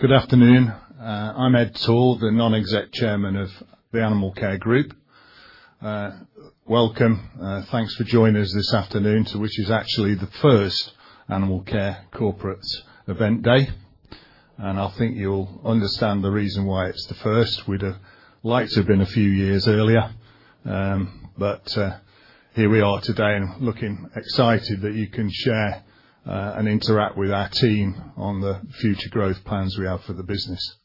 Good afternoon. I'm Ed Torr, the Non-Executive Chairman of the Animalcare Group. Welcome. Thanks for joining us this afternoon which is actually the first Animalcare Corporate Event Day. I think you'll understand the reason why it's the first. We'd have liked to have been a few years earlier, but here we are today and looking excited that you can share and interact with our team on the future growth plans we have for the business.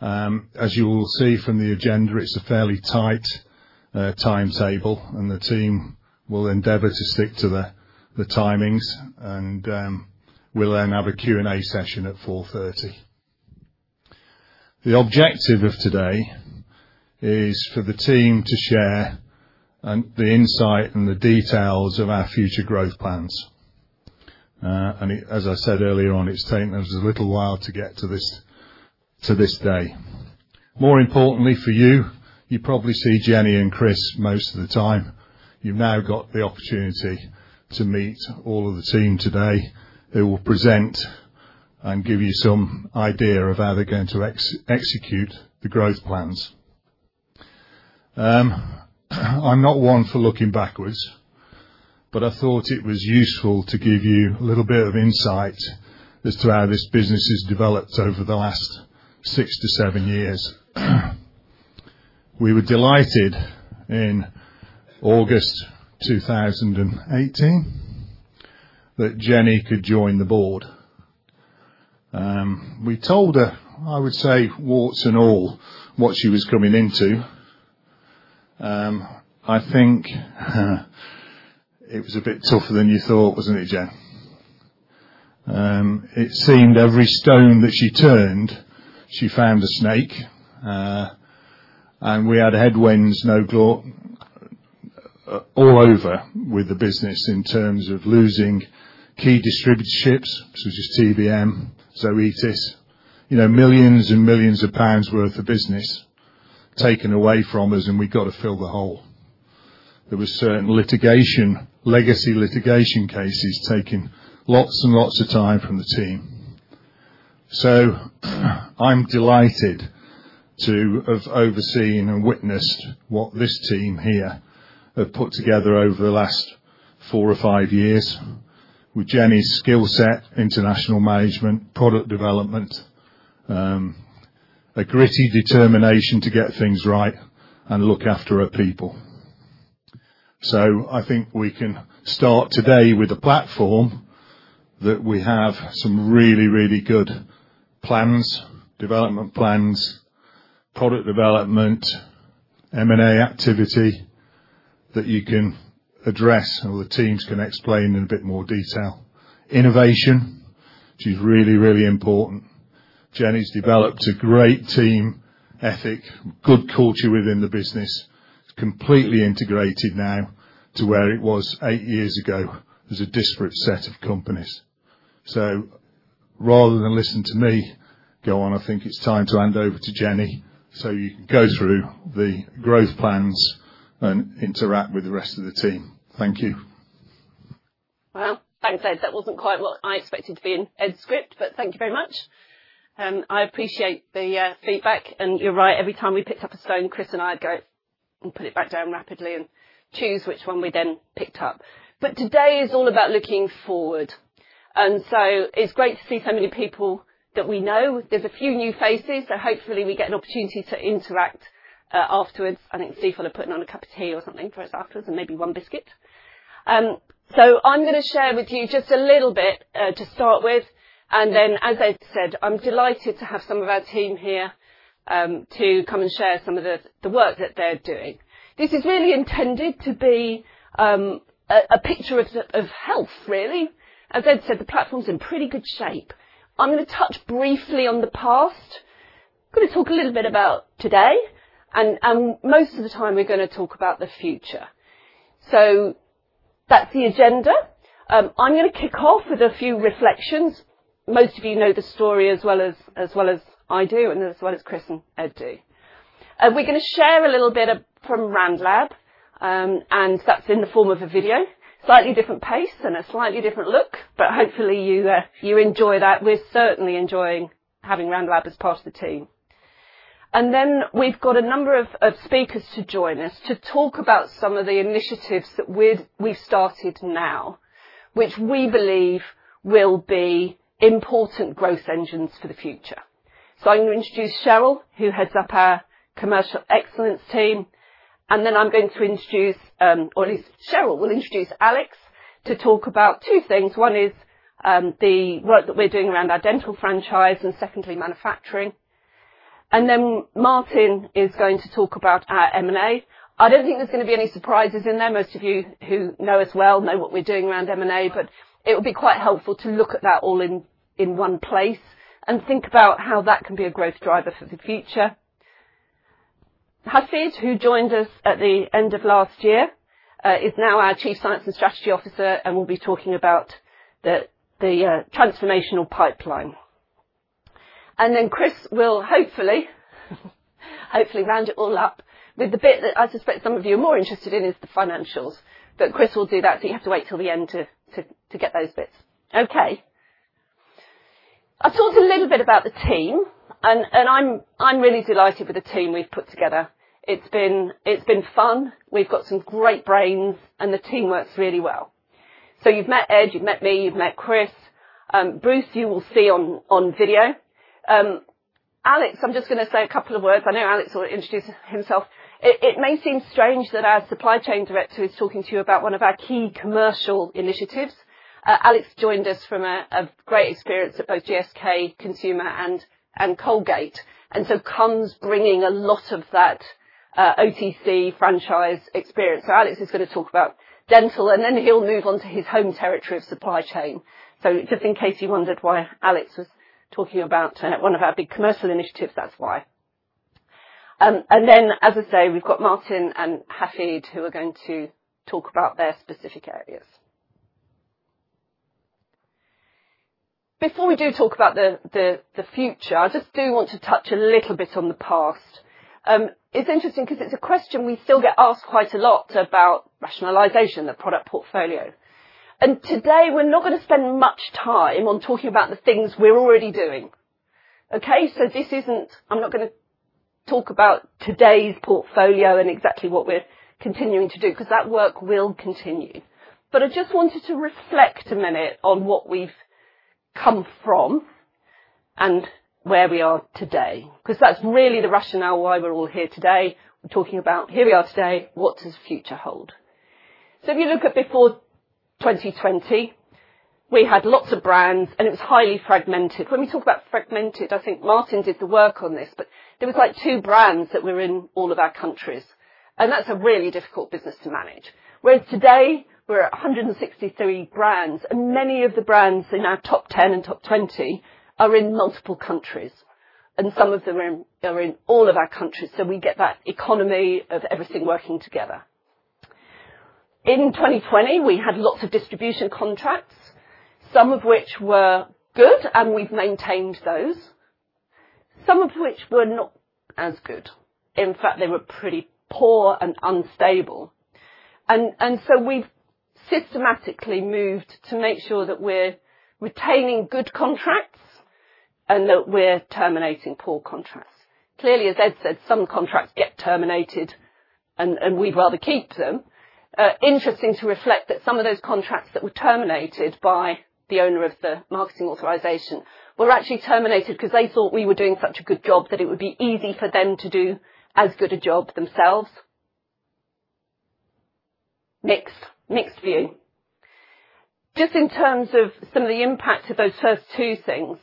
As you will see from the agenda, it's a fairly tight timetable, and the team will endeavor to stick to the timings. We'll then have a Q&A session at 4:30 P.M. The objective of today is for the team to share the insight and the details of our future growth plans. As I said earlier on, it's taken us a little while to get to this day. More importantly for you probably see Jennifer and Chris most of the time. You've now got the opportunity to meet all of the team today, who will present and give you some idea of how they're going to execute the growth plans. I'm not one for looking backwards, but I thought it was useful to give you a little bit of insight as to how this business has developed over the last six to seven years. We were delighted in August 2018 that Jennifer could join the Board. We told her, I would say, warts and all, what she was coming into. I think it was a bit tougher than you thought, wasn't it, Jennifer? It seemed every stone that she turned, she found a snake. We had headwinds galore all over with the business in terms of losing key distributorships such as TVM, Zoetis. Millions and millions of GBP worth of business taken away from us, and we got to fill the hole. There were certain legacy litigation cases taking lots and lots of time from the team. I'm delighted to have overseen and witnessed what this team here have put together over the last four or five years with Jennifer's skill set, international management, product development, a gritty determination to get things right and look after her people. I think we can start today with a platform that we have some really, really good plans, development plans, product development, M&A activity that you can address, or the teams can explain in a bit more detail. Innovation, which is really, really important. Jennifer's developed a great team ethic, good culture within the business. It's completely integrated now to where it was 8 years ago as a disparate set of companies. Rather than listen to me go on, I think it's time to hand over to Jennifer so you can go through the growth plans and interact with the rest of the team. Thank you. Well, thanks, Ed. That wasn't quite what I expected to be in Ed's script, but thank you very much. I appreciate the feedback. You're right, every time we picked up a stone, Chris and I'd go and put it back down rapidly and choose which one we then picked up. Today is all about looking forward. It's great to see so many people that we know. There's a few new faces, so hopefully we get an opportunity to interact afterwards. I think Stifel are putting on a cup of tea or something for us afterwards, and maybe one biscuit. I'm going to share with you just a little bit, to start with. As Ed said, I'm delighted to have some of our team here, to come and share some of the work that they're doing. This is really intended to be a picture of health, really. As Ed said, the platform's in pretty good shape. I'm going to touch briefly on the past. Going to talk a little bit about today. Most of the time, we're going to talk about the future. That's the agenda. I'm going to kick off with a few reflections. Most of you know the story as well as I do, and as well as Chris and Ed do. We're going to share a little bit from Randlab, and that's in the form of a video. Slightly different pace and a slightly different look, but hopefully you enjoy that. We're certainly enjoying having Randlab as part of the team. We've got a number of speakers to join us to talk about some of the initiatives that we've started now, which we believe will be important growth engines for the future. I'm going to introduce Cheryl, who heads up our Commercial Excellence team, and then I'm going to introduce, or at least Cheryl will introduce Alex to talk about two things. One is the work that we're doing around our dental franchise and secondly, manufacturing. Martin is going to talk about our M&A. I don't think there's going to be any surprises in there. Most of you who know us well know what we're doing around M&A, but it would be quite helpful to look at that all in one place and think about how that can be a growth driver for the future. Hafid Benchaoui, who joined us at the end of last year, is now our Chief Science and Strategy Officer and will be talking about the transformational pipeline. Chris will hopefully round it all up with the bit that I suspect some of you are more interested in is the financials. Chris will do that, so you have to wait till the end to get those bits. Okay. I talked a little bit about the team, and I'm really delighted with the team we've put together. It's been fun. We've got some great brains, and the team works really well. You've met Ed, you've met me, you've met Chris. Bruce, you will see on video. Alex, I'm just going to say a couple of words. I know Alex will introduce himself. It may seem strange that our Supply Chain Director is talking to you about one of our key commercial initiatives. Alex joined us from a great experience at both GSK Consumer and Colgate, and so comes bringing a lot of that OTC franchise experience. Alex is going to talk about dental, and then he'll move on to his home territory of Supply Chain. Just in case you wondered why Alex was talking about one of our big commercial initiatives, that's why. As I say, we've got Martin and Hafid, who are going to talk about their specific areas. Before we do talk about the future, I just do want to touch a little bit on the past. It's interesting because it's a question we still get asked quite a lot about rationalization, the product portfolio. Today, we're not going to spend much time on talking about the things we're already doing. Okay? I'm not going to talk about today's portfolio and exactly what we're continuing to do, because that work will continue. I just wanted to reflect a minute on what we've come from and where we are today, because that's really the rationale why we're all here today. We're talking about here we are today. What does future hold? If you look at before 2020, we had lots of brands, and it was highly fragmented. When we talk about fragmented, I think Martin did the work on this, but there was like two brands that were in all of our countries. That's a really difficult business to manage. Whereas today we're at 163 brands, and many of the brands in our top 10 and top 20 are in multiple countries, and some of them are in all of our countries. We get that economy of everything working together. In 2020, we had lots of distribution contracts, some of which were good, and we've maintained those, some of which were not as good. In fact, they were pretty poor and unstable. We've systematically moved to make sure that we're retaining good contracts and that we're terminating poor contracts. Clearly, as Ed said, some contracts get terminated, and we'd rather keep them. Interesting to reflect that some of those contracts that were terminated by the owner of the marketing authorization were actually terminated because they thought we were doing such a good job that it would be easy for them to do as good a job themselves. Mixed view. Just in terms of some of the impact of those first two things,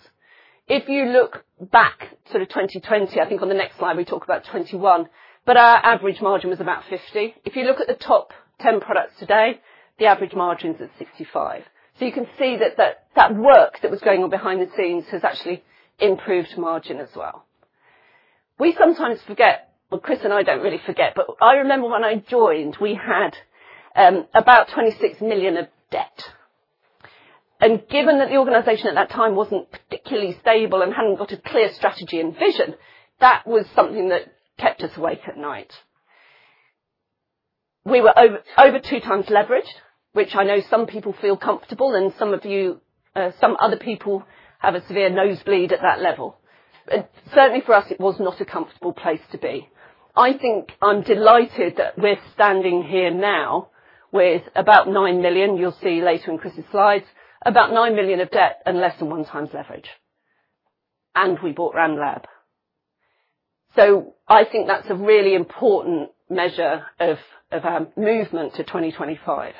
if you look back to 2020, I think on the next slide we talk about 2021, but our average margin was about 50%. If you look at the top 10 products today, the average margin's at 65%. You can see that that work that was going on behind the scenes has actually improved margin as well. We sometimes forget, well, Chris and I don't really forget, but I remember when I joined, we had about 26 million of debt. Given that the organization at that time wasn't particularly stable and hadn't got a clear strategy and vision, that was something that kept us awake at night. We were over 2x leveraged, which I know some people feel comfortable, and some other people have a severe nosebleed at that level. Certainly for us, it was not a comfortable place to be. I think I'm delighted that we're standing here now with about 9 million. You'll see later in Chris's slides, about 9 million of debt and less than 1x leverage. We bought Randlab. I think that's a really important measure of our movement to 2025.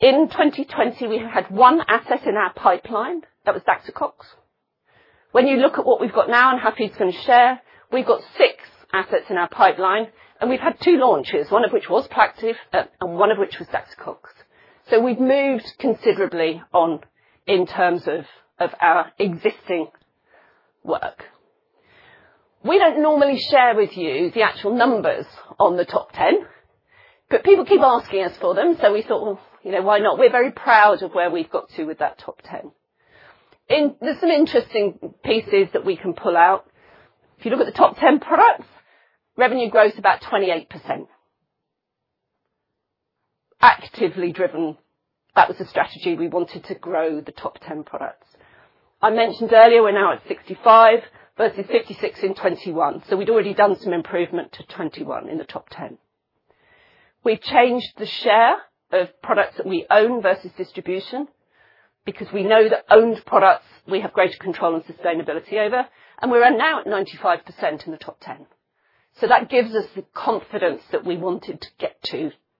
In 2020, we had one asset in our pipeline. That was Daxocox. When you look at what we've got now, and Hafid can share, we've got six assets in our pipeline, and we've had two launches, one of which was Plaqtiv+, and one of which was Daxocox. We've moved considerably on in terms of our existing work. We don't normally share with you the actual numbers on the top 10, but people keep asking us for them, so we thought, why not? We're very proud of where we've got to with that top 10. There's some interesting pieces that we can pull out. If you look at the top 10 products, revenue growth is about 28%. Actively driven. That was a strategy. We wanted to grow the top 10 products. I mentioned earlier, we're now at 65 versus 56 in 2021, so we'd already done some improvement to 2021 in the top 10. We've changed the share of products that we own versus distribution because we know that owned products we have greater control and sustainability over, and we are now at 95% in the top 10. That gives us the confidence that we wanted to get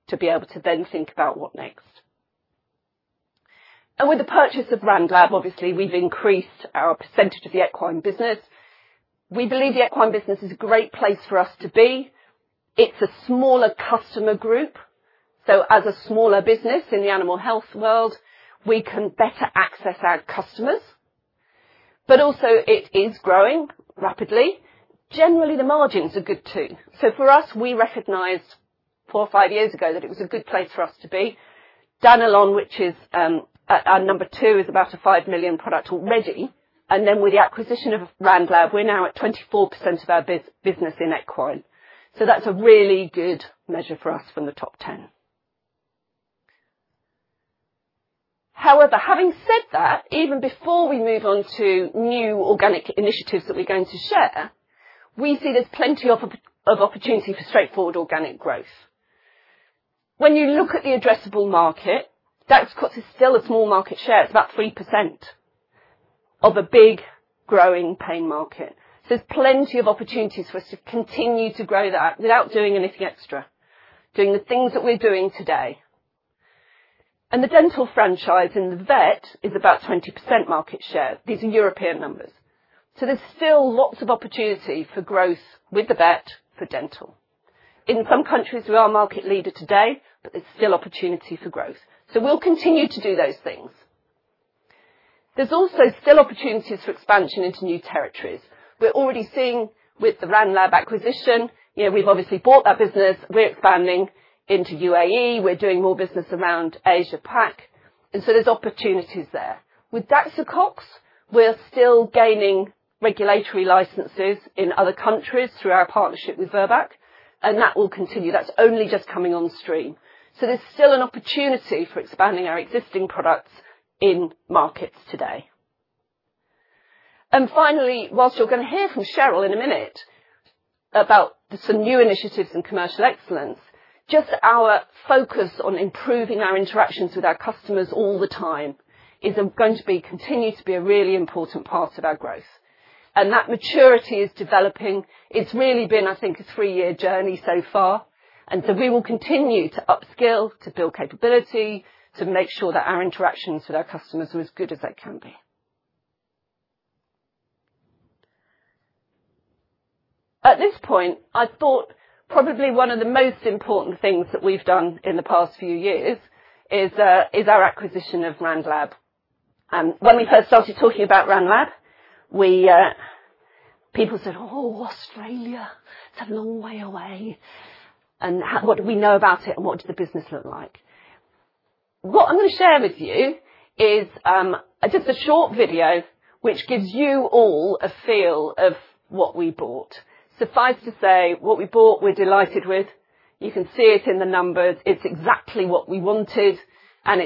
to be able to then think about what next. With the purchase of Randlab, obviously we've increased our percentage of the equine business. We believe the equine business is a great place for us to be. It's a smaller customer group, so as a smaller business in the animal health world, we can better access our customers. But also it is growing rapidly. Generally, the margins are good too. So for us, we recognize four or five years ago that it was a good place for us to be. Danilon® Equidos Gold, which is our number two, is about a five million product already. And then with the acquisition of Randlab, we're now at twenty-four percent of our business in equine. So that's a really good measure for us from the top ten. However, having said that, even before we move on to new organic initiatives that we're going to share, we see there's plenty of opportunity for straightforward organic growth. When you look at the addressable market, Daxocox is still a small market share. It's about 3% of a big, growing pain market. There's plenty of opportunities for us to continue to grow that without doing anything extra, doing the things that we're doing today. The dental franchise in the vet is about 20% market share. These are European numbers. There's still lots of opportunity for growth with the vet for dental. In some countries, we are a market leader today, but there's still opportunity for growth. We'll continue to do those things. There's also still opportunities for expansion into new territories. We're already seeing with the Randlab acquisition, we've obviously bought that business. We're expanding into UAE. We're doing more business around Asia-Pac. There's opportunities there. With Daxocox, we're still gaining regulatory licenses in other countries through our partnership with Virbac, and that will continue. That's only just coming on stream. There's still an opportunity for expanding our existing products in markets today. Finally, whilst you're going to hear from Cheryl in a minute about some new initiatives in Commercial Excellence, just our focus on improving our interactions with our customers all the time is going to continue to be a really important part of our growth. That maturity is developing. It's really been, I think, a three-year journey so far. We will continue to upskill, to build capability, to make sure that our interactions with our customers are as good as they can be. At this point, I thought probably one of the most important things that we've done in the past few years is our acquisition of Randlab. When we first started talking about Randlab, people said, "Oh, Australia, it's a long way away. What do we know about it, and what does the business look like?" What I'm going to share with you is just a short video which gives you all a feel of what we bought. Suffice to say, what we bought, we're delighted with. You can see it in the numbers. It's exactly what we wanted, and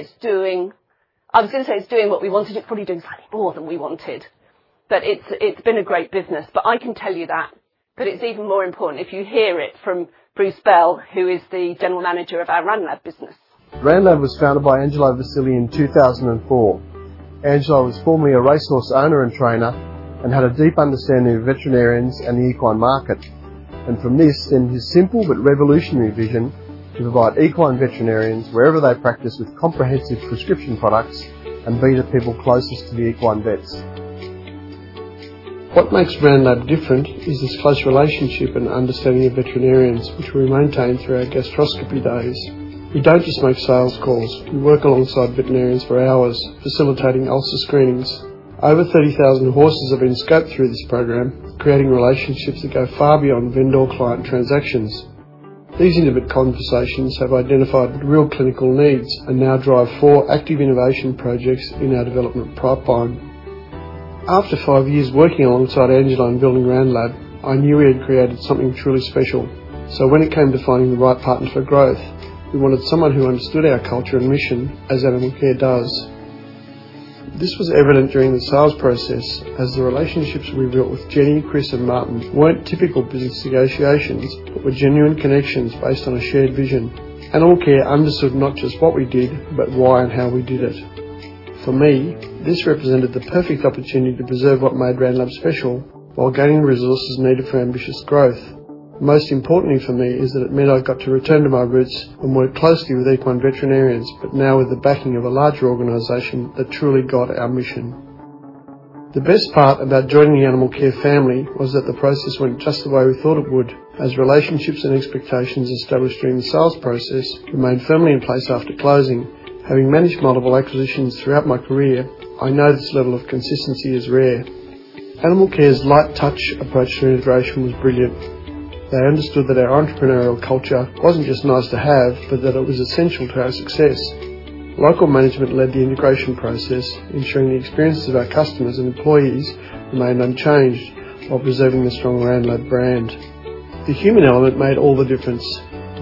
I was going to say it's doing what we wanted. It's probably doing slightly more than we wanted. It's been a great business. I can tell you that, but it's even more important if you hear it from Bruce Bell, who is the General Manager of our Randlab business. Randlab was founded by Angelo Vasili in 2004. Angelo was formerly a racehorse owner and trainer and had a deep understanding of veterinarians and the equine market, and from this, in his simple but revolutionary vision, to provide equine veterinarians wherever they practice with comprehensive prescription products and be the people closest to the equine vets. What makes Randlab different is this close relationship and understanding of veterinarians, which we maintain through our gastroscopy days. We don't just make sales calls. We work alongside veterinarians for hours, facilitating ulcer screenings. Over 30,000 horses have been scoped through this program, creating relationships that go far beyond vendor-client transactions. These intimate conversations have identified real clinical needs and now drive four active innovation projects in our development pipeline. After five years working alongside Angelo and building Randlab, I knew we had created something truly special. When it came to finding the right partner for growth, we wanted someone who understood our culture and mission as Animalcare does. This was evident during the sales process as the relationships we built with Jennifer, Chris, and Martin weren't typical business negotiations, but were genuine connections based on a shared vision. Animalcare understood not just what we did, but why and how we did it. For me, this represented the perfect opportunity to preserve what made Randlab special while gaining the resources needed for ambitious growth. Most importantly for me is that it meant I got to return to my roots and work closely with equine veterinarians, but now with the backing of a larger organization that truly got our mission. The best part about joining the Animalcare family was that the process went just the way we thought it would, as relationships and expectations established during the sales process remained firmly in place after closing. Having managed multiple acquisitions throughout my career, I know this level of consistency is rare. Animalcare's light touch approach to integration was brilliant. They understood that our entrepreneurial culture wasn't just nice to have, but that it was essential to our success. Local management led the integration process, ensuring the experiences of our customers and employees remained unchanged while preserving the strong Randlab brand. The human element made all the difference.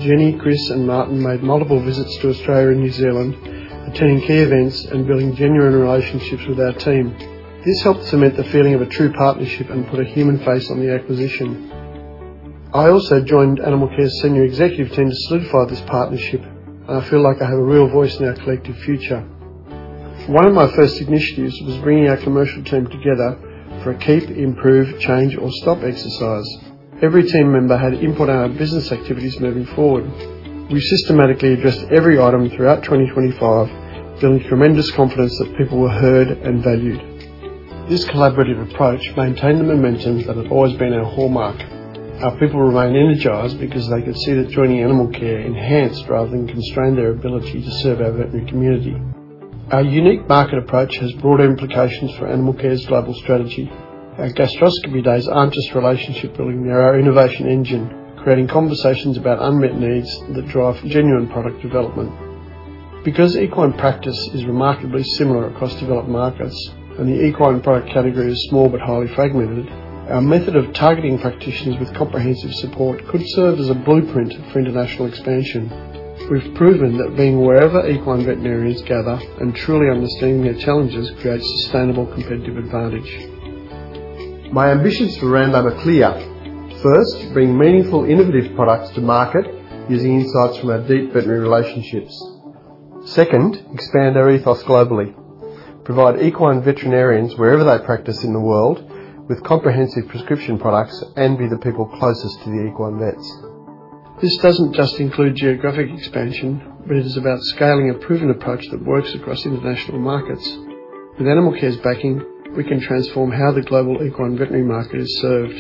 Jennifer, Chris, and Martin made multiple visits to Australia and New Zealand, attending key events and building genuine relationships with our team. This helped cement the feeling of a true partnership and put a human face on the acquisition. I joined Animalcare's Senior Executive Team to solidify this partnership, and I feel like I have a real voice in our collective future. One of my first initiatives was bringing our Commercial Team together for a Keep, Improve, Change, or Stop exercise. Every team member had input on our business activities moving forward. We systematically addressed every item throughout 2025, building tremendous confidence that people were heard and valued. This collaborative approach maintained the momentum that had always been our hallmark. Our people remain energized because they could see that joining Animalcare enhanced rather than constrained their ability to serve our veterinary community. Our unique market approach has broad implications for Animalcare's global strategy. Our gastroscopy days aren't just relationship building, they're our innovation engine, creating conversations about unmet needs that drive genuine product development. Because equine practice is remarkably similar across developed markets and the equine product category is small but highly fragmented, our method of targeting practitioners with comprehensive support could serve as a blueprint for international expansion. We've proven that being wherever equine veterinarians gather and truly understanding their challenges creates sustainable competitive advantage. My ambitions for Randlab are clear. First, bring meaningful innovative products to market using insights from our deep veterinary relationships. Second, expand our ethos globally. Provide equine veterinarians, wherever they practice in the world, with comprehensive prescription products, and be the people closest to the equine vets. This doesn't just include geographic expansion, but it is about scaling a proven approach that works across international markets. With Animalcare's backing, we can transform how the global equine veterinary market is served.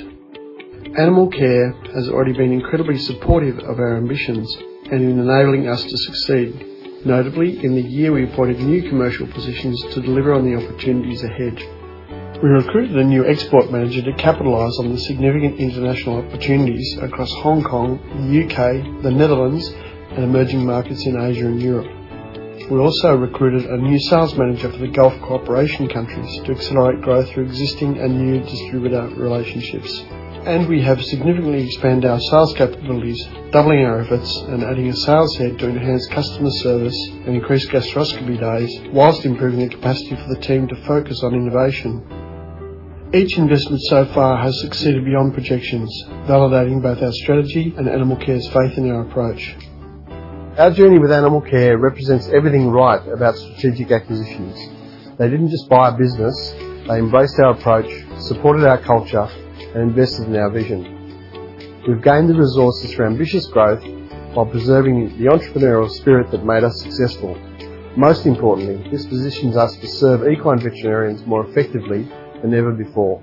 Animalcare has already been incredibly supportive of our ambitions and in enabling us to succeed. Notably, in the year we appointed new commercial positions to deliver on the opportunities ahead. We recruited a new export manager to capitalize on the significant international opportunities across Hong Kong, the U.K., the Netherlands, and emerging markets in Asia and Europe. We also recruited a new sales manager for the Gulf Cooperation countries to accelerate growth through existing and new distributor relationships. We have significantly expanded our sales capabilities, doubling our efforts and adding a sales head to enhance customer service and increase gastroscopy days whilst improving the capacity for the team to focus on innovation. Each investment so far has succeeded beyond projections, validating both our strategy and Animalcare's faith in our approach. Our journey with Animalcare represents everything right about strategic acquisitions. They didn't just buy a business. They embraced our approach, supported our culture, and invested in our vision. We've gained the resources for ambitious growth while preserving the entrepreneurial spirit that made us successful. Most importantly, this positions us to serve equine veterinarians more effectively than ever before.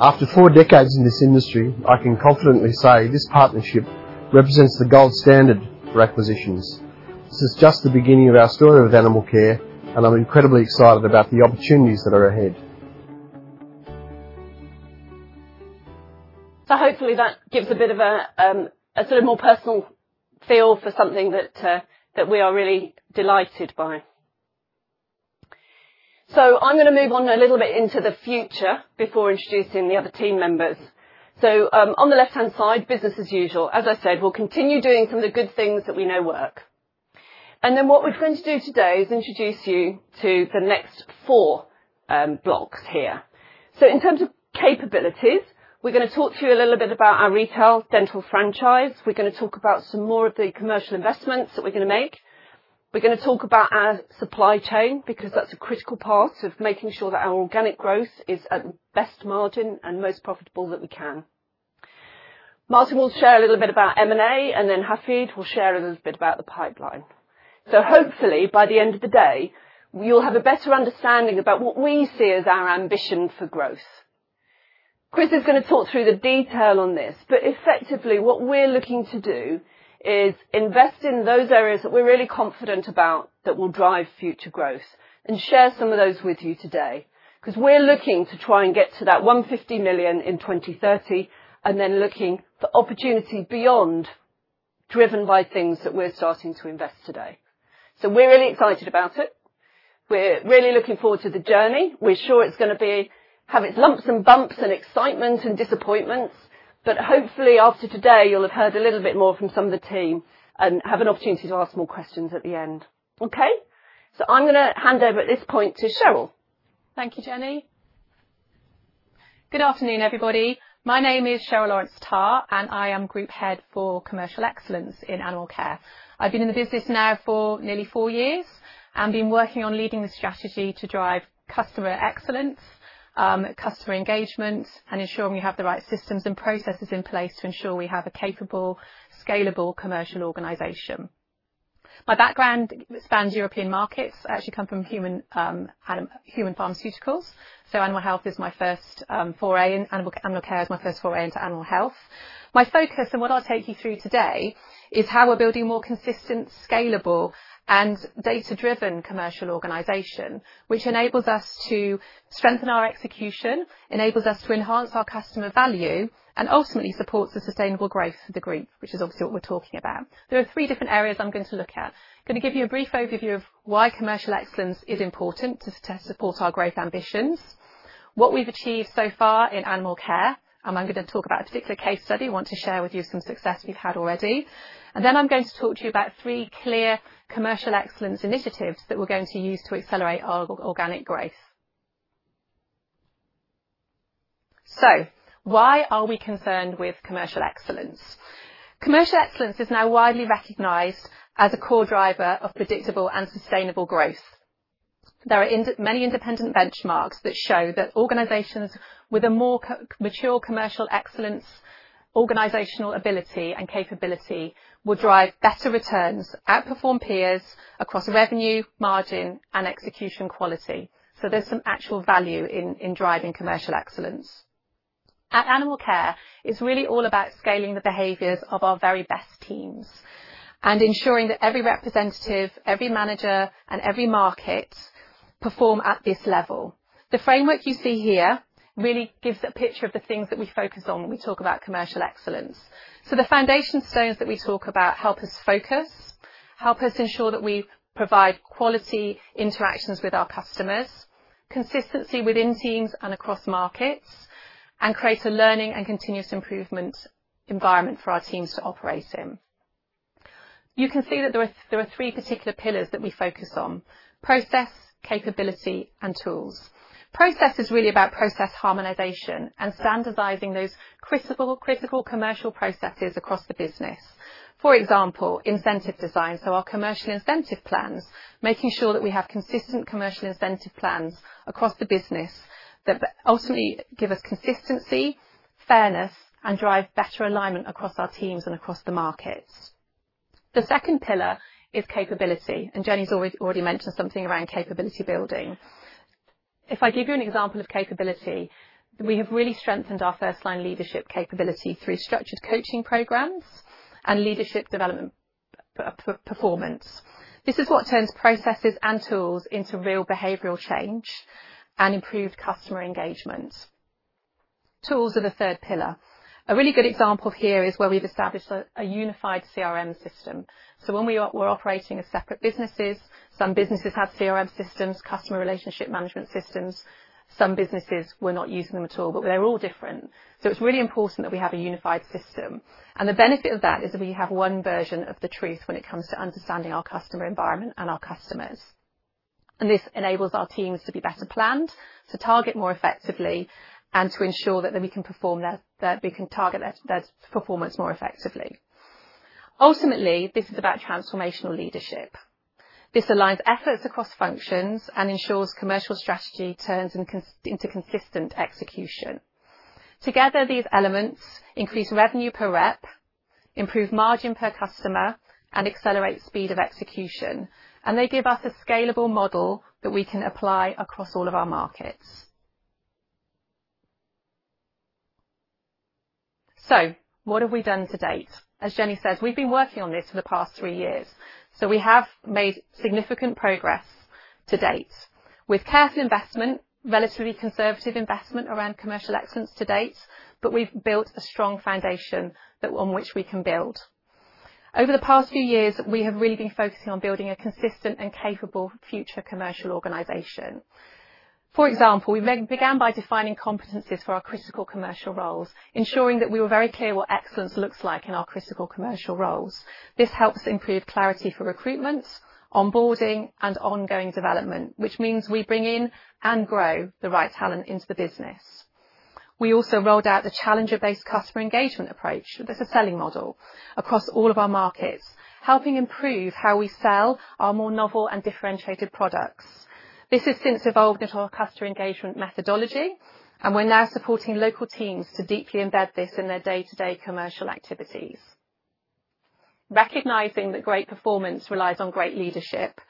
After four decades in this industry, I can confidently say this partnership represents the gold standard for acquisitions. This is just the beginning of our story with Animalcare, and I'm incredibly excited about the opportunities that are ahead. Hopefully that gives a bit of a sort of more personal feel for something that we are really delighted by. I'm going to move on a little bit into the future before introducing the other team members. On the left-hand side, business as usual. As I said, we'll continue doing some of the good things that we know work. What we're going to do today is introduce you to the next four blocks here. In terms of capabilities, we're going to talk to you a little bit about our retail dental franchise. We're going to talk about some more of the commercial investments that we're going to make. We're going to talk about our supply chain, because that's a critical part of making sure that our organic growth is at the best margin and most profitable that we can. Martin will share a little bit about M&A, and then Hafid will share a little bit about the pipeline. Hopefully by the end of the day, you'll have a better understanding about what we see as our ambition for growth. Chris is going to talk through the detail on this, but effectively what we're looking to do is invest in those areas that we're really confident about that will drive future growth and share some of those with you today, because we're looking to try and get to that 150 million in 2030 and then looking for opportunity beyond, driven by things that we're starting to invest today. We're really excited about it. We're really looking forward to the journey. We're sure it's going to have its lumps and bumps and excitement and disappointments, but hopefully after today you'll have heard a little bit more from some of the team and have an opportunity to ask more questions at the end. Okay? I'm going to hand over at this point to Cheryl. Thank you, Jennifer. Good afternoon, everybody. My name is Cheryl Lawrence-Tarr, and I am Group Head for Commercial Excellence in Animalcare. I've been in the business now for nearly four years and been working on leading the strategy to drive customer excellence, customer engagement and ensuring we have the right systems and processes in place to ensure we have a capable, scalable commercial organization. My background spans European markets. I actually come from human pharmaceuticals, so Animalcare is my first foray into animal health. My focus, and what I'll take you through today, is how we're building more consistent, scalable and data-driven commercial organization, which enables us to strengthen our execution, enables us to enhance our customer value and ultimately supports the sustainable growth of the Group, which is obviously what we're talking about. There are three different areas I'm going to look at. Going to give you a brief overview of why commercial excellence is important to support our growth ambitions, what we've achieved so far in Animalcare. I'm going to talk about a particular case study. I want to share with you some success we've had already. I'm going to talk to you about three clear commercial excellence initiatives that we're going to use to accelerate our organic growth. Why are we concerned with commercial excellence? Commercial excellence is now widely recognized as a core driver of predictable and sustainable growth. There are many independent benchmarks that show that organizations with a more mature commercial excellence organizational ability and capability will drive better returns, outperform peers across revenue, margin and execution quality. There's some actual value in driving commercial excellence. At Animalcare, it's really all about scaling the behaviors of our very best teams and ensuring that every representative, every manager, and every market perform at this level. The framework you see here really gives a picture of the things that we focus on when we talk about commercial excellence. The foundation stones that we talk about help us focus, help us ensure that we provide quality interactions with our customers, consistency within teams and across markets, and create a learning and continuous improvement environment for our teams to operate in. You can see that there are three particular pillars that we focus on, process, capability, and tools. Process is really about process harmonization and standardizing those critical commercial processes across the business. For example, incentive design, so our commercial incentive plans, making sure that we have consistent commercial incentive plans across the business that ultimately give us consistency, fairness, and drive better alignment across our teams and across the markets. The second pillar is capability, and Jennifer Winter's already mentioned something around capability building. If I give you an example of capability, we have really strengthened our first-line leadership capability through structured coaching programs and leadership development performance. This is what turns processes and tools into real behavioral change and improved customer engagement. Tools are the third pillar. A really good example here is where we've established a unified CRM system. When we were operating as separate businesses, some businesses had CRM systems, customer relationship management systems. Some businesses were not using them at all, but they're all different. It's really important that we have a unified system. The benefit of that is that we have one version of the truth when it comes to understanding our customer environment and our customers. This enables our teams to be better planned, to target more effectively, and to ensure that we can target their performance more effectively. Ultimately, this is about transformational leadership. This aligns efforts across functions and ensures commercial strategy turns into consistent execution. Together, these elements increase revenue per rep, improve margin per customer, and accelerate speed of execution. They give us a scalable model that we can apply across all of our markets. What have we done to date? As Jennifer says, we've been working on this for the past three years, so we have made significant progress to date. With careful investment, relatively conservative investment around Commercial Excellence to date, but we've built a strong foundation on which we can build. Over the past few years, we have really been focusing on building a consistent and capable future commercial organization. For example, we began by defining competencies for our critical commercial roles, ensuring that we were very clear what excellence looks like in our critical commercial roles. This helps improve clarity for recruitment, onboarding, and ongoing development, which means we bring in and grow the right talent into the business. We also rolled out the Challenger-based customer engagement approach. This is selling model across all of our markets, helping improve how we sell our more novel and differentiated products. This has since evolved into our customer engagement methodology, and we're now supporting local teams to deeply embed this in their day-to-day commercial activities. Recognizing that great performance relies on great leadership,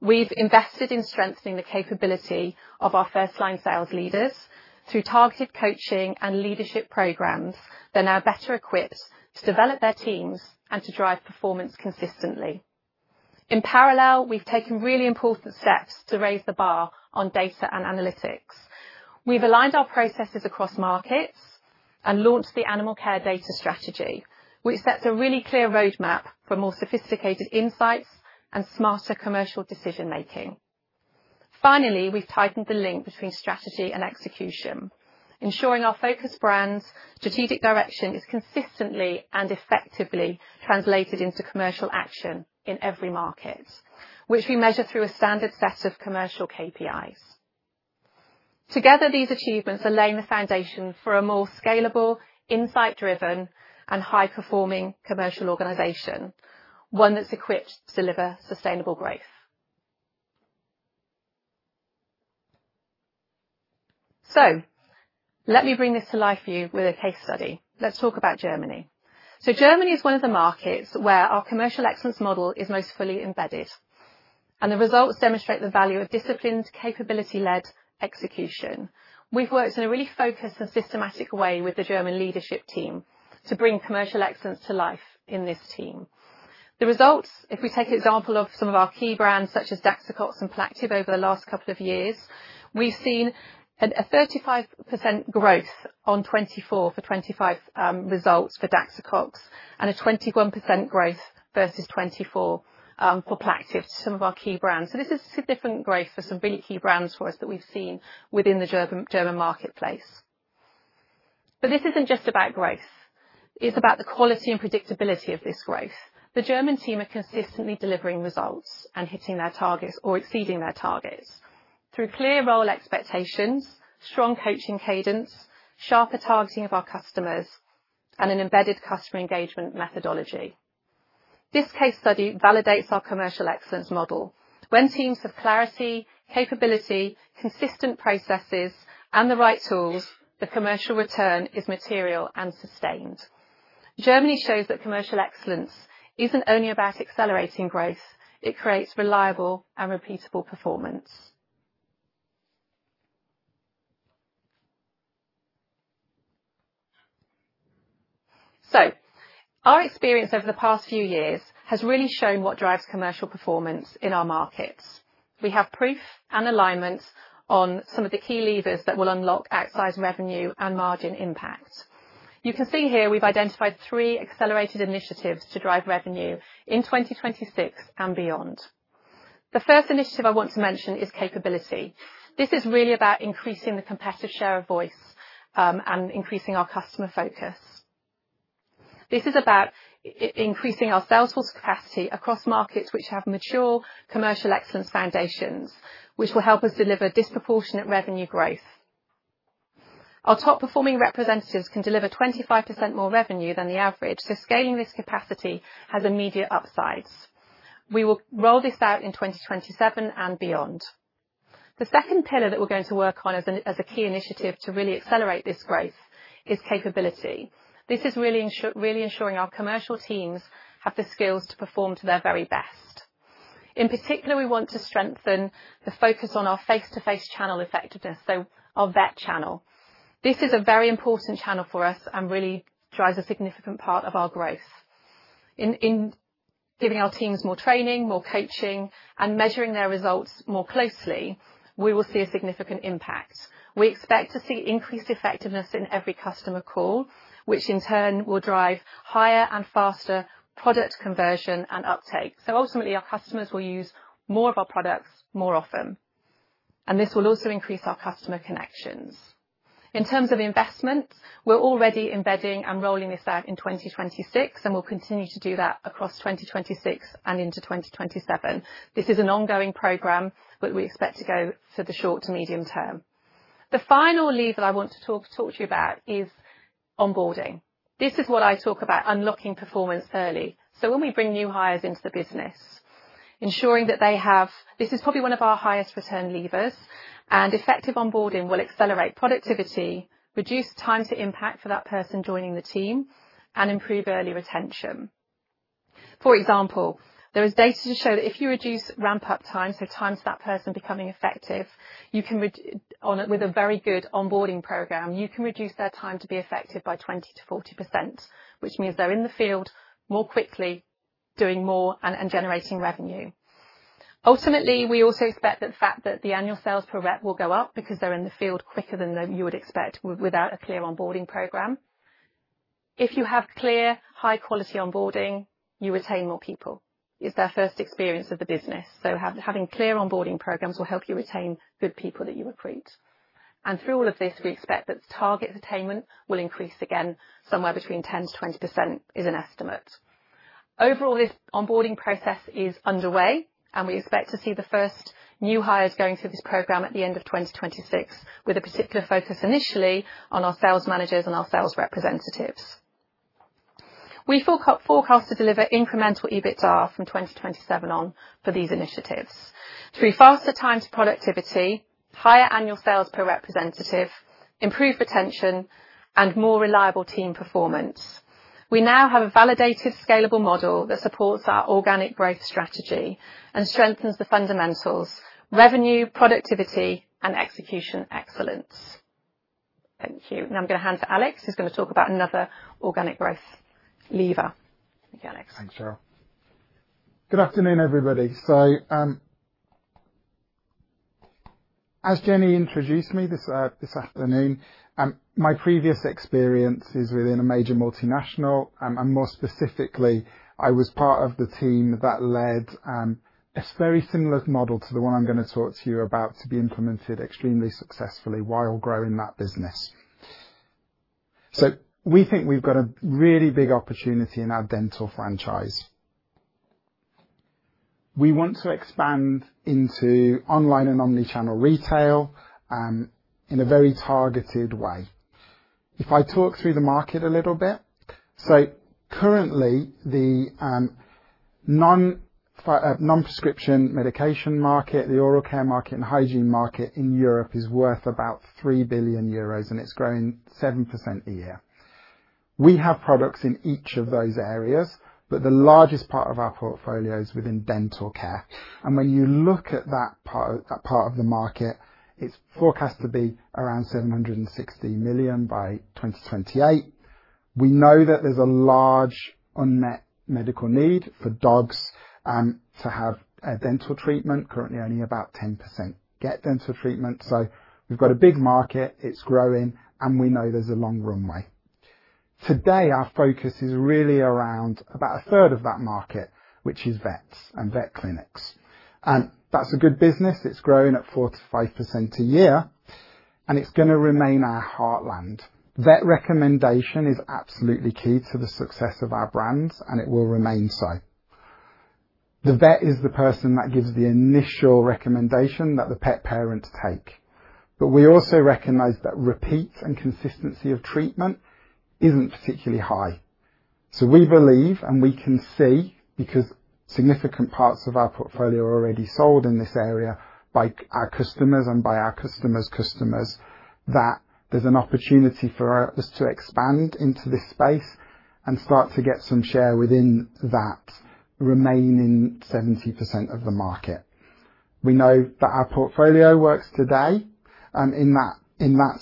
we've invested in strengthening the capability of our first-line sales leaders through targeted coaching and leadership programs. They're now better equipped to develop their teams and to drive performance consistently. In parallel, we've taken really important steps to raise the bar on data and analytics. We've aligned our processes across markets and launched the Animalcare data strategy, which sets a really clear roadmap for more sophisticated insights and smarter commercial decision-making. Finally, we've tightened the link between strategy and execution, ensuring our focused brand's strategic direction is consistently and effectively translated into commercial action in every market, which we measure through a standard set of commercial KPIs. Together, these achievements are laying the foundation for a more scalable, insight-driven, and high-performing commercial organization, one that's equipped to deliver sustainable growth. Let me bring this to life for you with a case study. Let's talk about Germany. Germany is one of the markets where our commercial excellence model is most fully embedded, and the results demonstrate the value of disciplined, capability-led execution. We've worked in a really focused and systematic way with the German leadership team to bring commercial excellence to life in this team. The results, if we take example of some of our key brands such as Daxocox and Plaqtiv+ over the last couple of years, we've seen a 35% growth on 2024 for 2025 results for Daxocox and a 21% growth versus 2024 for Plaqtiv+ to some of our key brands. This is significant growth for some really key brands for us that we've seen within the German marketplace. This isn't just about growth, it's about the quality and predictability of this growth. The German team are consistently delivering results and hitting their targets or exceeding their targets through clear role expectations, strong coaching cadence, sharper targeting of our customers, and an embedded customer engagement methodology. This case study validates our Commercial Excellence model. When teams have clarity, capability, consistent processes, and the right tools, the commercial return is material and sustained. Germany shows that Commercial Excellence isn't only about accelerating growth. It creates reliable and repeatable performance. Our experience over the past few years has really shown what drives commercial performance in our markets. We have proof and alignment on some of the key levers that will unlock outsized revenue and margin impact. You can see here we've identified three accelerated initiatives to drive revenue in 2026 and beyond. The first initiative I want to mention is capability. This is really about increasing the competitive share of voice and increasing our customer focus. This is about increasing our sales force capacity across markets which have mature commercial excellence foundations, which will help us deliver disproportionate revenue growth. Our top-performing representatives can deliver 25% more revenue than the average, so scaling this capacity has immediate upsides. We will roll this out in 2027 and beyond. The second pillar that we're going to work on as a key initiative to really accelerate this growth is capability. This is really ensuring our commercial teams have the skills to perform to their very best. In particular, we want to strengthen the focus on our face-to-face channel effectiveness, so our vet channel. This is a very important channel for us and really drives a significant part of our growth. In giving our teams more training, more coaching, and measuring their results more closely, we will see a significant impact. We expect to see increased effectiveness in every customer call, which in turn will drive higher and faster product conversion and uptake. Ultimately, our customers will use more of our products more often. This will also increase our customer connections. In terms of investment, we're already embedding and rolling this out in 2026, and we'll continue to do that across 2026 and into 2027. This is an ongoing program that we expect to go for the short to medium term. The final lever that I want to talk to you about is onboarding. This is what I talk about unlocking performance early. When we bring new hires into the business, ensuring that they have. This is probably one of our highest return levers and effective onboarding will accelerate productivity, reduce time to impact for that person joining the team, and improve early retention. For example, there is data to show that if you reduce ramp-up time, so time to that person becoming effective, with a very good onboarding program, you can reduce their time to be effective by 20%-40%, which means they're in the field more quickly, doing more and generating revenue. Ultimately, we also expect the fact that the annual sales per rep will go up because they're in the field quicker than you would expect without a clear onboarding program. If you have clear, high-quality onboarding, you retain more people. It's their first experience of the business, so having clear onboarding programs will help you retain good people that you recruit. Through all of this, we expect that target attainment will increase again, somewhere between 10%-20% is an estimate. Overall, this onboarding process is underway, and we expect to see the first new hires going through this program at the end of 2026, with a particular focus initially on our sales managers and our sales representatives. We forecast to deliver incremental EBITDA from 2027 on for these initiatives through faster time to productivity, higher annual sales per representative, improved retention, and more reliable team performance. We now have a validated, scalable model that supports our organic growth strategy and strengthens the fundamentals, revenue, productivity, and execution excellence. Thank you. Now I'm going to hand to Alex Sugden, who's going to talk about another organic growth lever. Okay, Alex. Thanks, Cheryl. Good afternoon, everybody. So, as Jennifer introduced me this afternoon, my previous experience is within a major multinational. And more specifically, I was part of the team that led a very similar model to the one I'm going to talk to you about to be implemented extremely successfully while growing that business. So we think we've got a really big opportunity in our dental franchise. We want to expand into online and omni-channel retail in a very targeted way. If I talk through the market a little bit. So currently, the non-prescription medication market, the oral care market, and the hygiene market in Europe is worth about €3 billion, and it's growing 7% a year. We have products in each of those areas, but the largest part of our portfolio is within dental care. When you look at that part of the market, it's forecast to be around 760 million by 2028. We know that there's a large unmet medical need for dogs to have dental treatment. Currently, only about 10% get dental treatment. We've got a big market, it's growing, and we know there's a long runway. Today, our focus is really around about 1/3 of that market, which is vets and vet clinics. That's a good business. It's growing at 4%-5% a year, and it's going to remain our heartland. Vet recommendation is absolutely key to the success of our brands, and it will remain so. The vet is the person that gives the initial recommendation that the pet parents take. We also recognize that repeat and consistency of treatment isn't particularly high. We believe, and we can see because significant parts of our portfolio are already sold in this area by our customers and by our customers' customers, that there's an opportunity for us to expand into this space and start to get some share within that remaining 70% of the market. We know that our portfolio works today, in that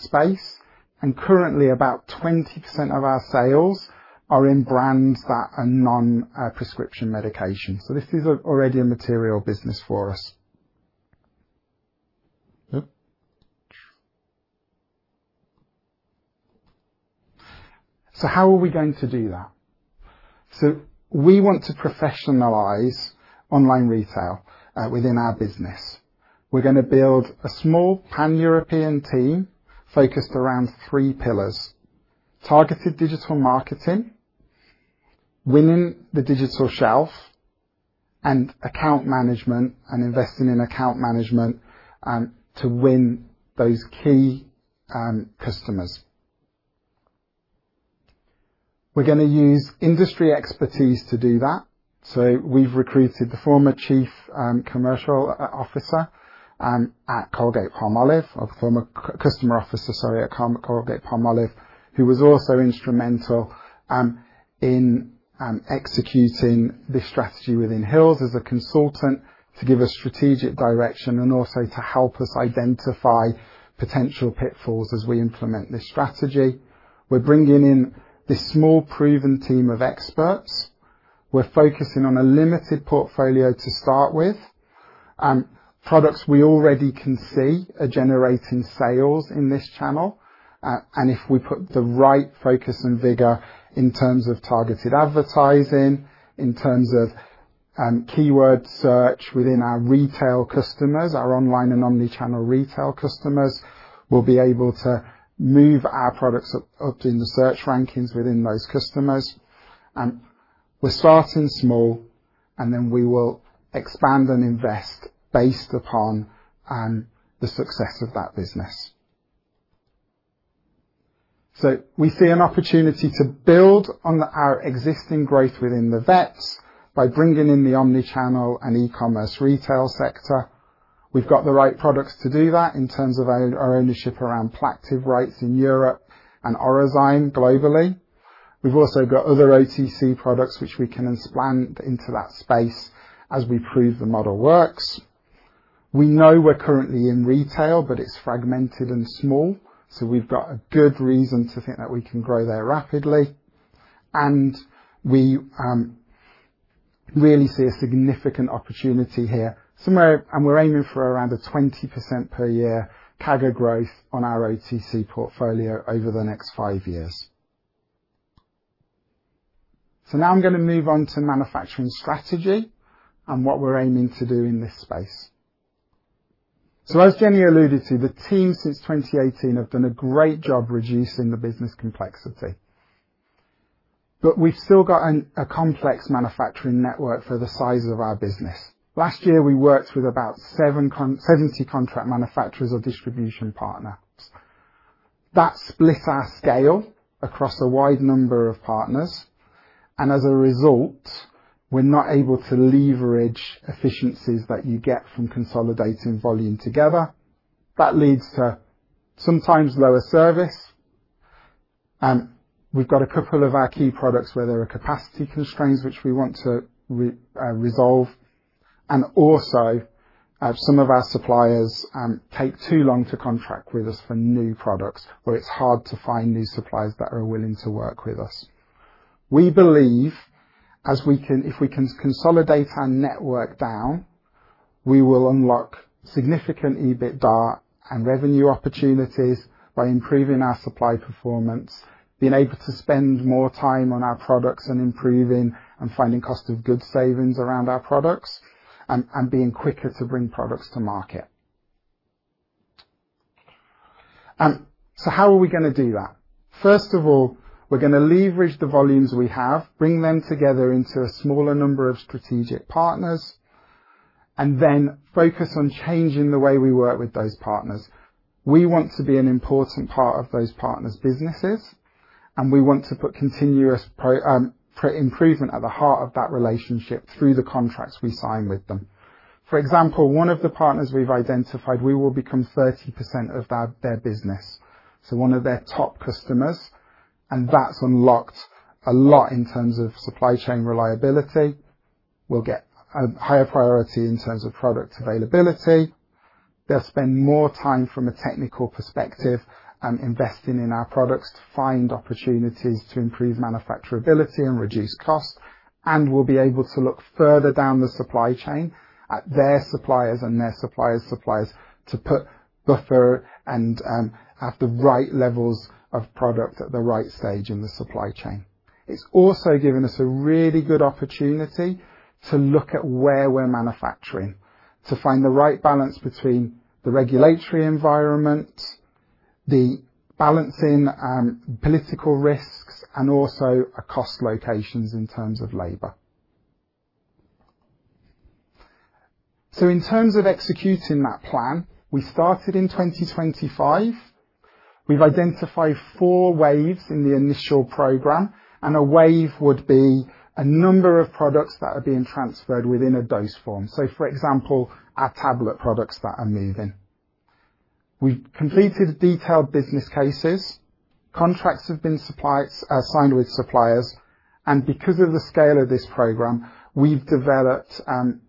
space, and currently about 20% of our sales are in brands that are non-prescription medication. This is already a material business for us. How are we going to do that? We want to professionalize online retail within our business. We're going to build a small Pan-European team focused around three pillars, targeted digital marketing, winning the digital shelf, and account management and investing in account management, to win those key customers. We're going to use industry expertise to do that. We've recruited the former Chief Commercial Officer at Colgate-Palmolive, or former Customer Officer, sorry, at Colgate-Palmolive, who was also instrumental in executing this strategy within Hill's as a consultant to give us strategic direction and also to help us identify potential pitfalls as we implement this strategy. We're bringing in this small proven team of experts. We're focusing on a limited portfolio to start with. Products we already can see are generating sales in this channel. If we put the right focus and vigor in terms of targeted advertising, in terms of keyword search within our retail customers, our online and omni-channel retail customers, we'll be able to move our products up in the search rankings within those customers. We're starting small, and then we will expand and invest based upon the success of that business. We see an opportunity to build on our existing growth within the vets by bringing in the omni-channel and e-commerce retail sector. We've got the right products to do that in terms of our ownership around Plaqtiv+ rights in Europe and Orozyme globally. We've also got other OTC products which we can expand into that space as we prove the model works. We know we're currently in retail, but it's fragmented and small, so we've got a good reason to think that we can grow there rapidly. We really see a significant opportunity here. We're aiming for around a 20% per year CAGR growth on our OTC portfolio over the next five years. Now I'm going to move on to manufacturing strategy and what we're aiming to do in this space. So as Jennifer alluded to, the team since 2018 have done a great job reducing the business complexity. But we've still got a complex manufacturing network for the size of our business. Last year, we worked with about 70 contract manufacturers or distribution partners. That split our scale across a wide number of partners. And as a result, we're not able to leverage efficiencies that you get from consolidating volume together. That leads to sometimes lower service. We've got a couple of our key products where there are capacity constraints, which we want to resolve, and also, some of our suppliers take too long to contract with us for new products where it's hard to find these suppliers that are willing to work with us. We believe if we can consolidate our network down, we will unlock significant EBITDA and revenue opportunities by improving our supply performance, being able to spend more time on our products and improving and finding cost of goods savings around our products, and being quicker to bring products to market. How are we going to do that? First of all, we're going to leverage the volumes we have, bring them together into a smaller number of strategic partners, and then focus on changing the way we work with those partners. We want to be an important part of those partners' businesses, and we want to put continuous improvement at the heart of that relationship through the contracts we sign with them. For example, one of the partners we've identified, we will become 30% of their business. One of their top customers, and that's unlocked a lot in terms of supply chain reliability, will get a higher priority in terms of product availability. They'll spend more time from a technical perspective investing in our products to find opportunities to improve manufacturability and reduce costs, and we'll be able to look further down the supply chain at their suppliers and their suppliers' suppliers to put buffer and have the right levels of product at the right stage in the supply chain. It's also given us a really good opportunity to look at where we're manufacturing, to find the right balance between the regulatory environment, the balancing political risks, and also our cost locations in terms of labor. In terms of executing that plan, we started in 2025. We've identified four waves in the initial program, and a wave would be a number of products that are being transferred within a dose form. For example, our tablet products that are moving. We completed detailed business cases. Contracts have been signed with suppliers. Because of the scale of this program, we've taken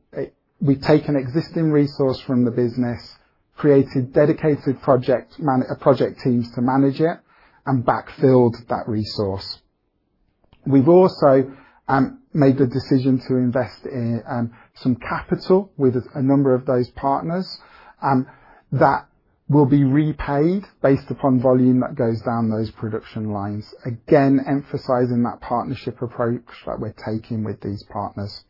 existing resource from the business, created dedicated project teams to manage it, and backfilled that resource. We've also made the decision to invest in some capital with a number of those partners, that will be repaid based upon volume that goes down those production lines. Again, emphasizing that partnership approach that we're taking with these partners.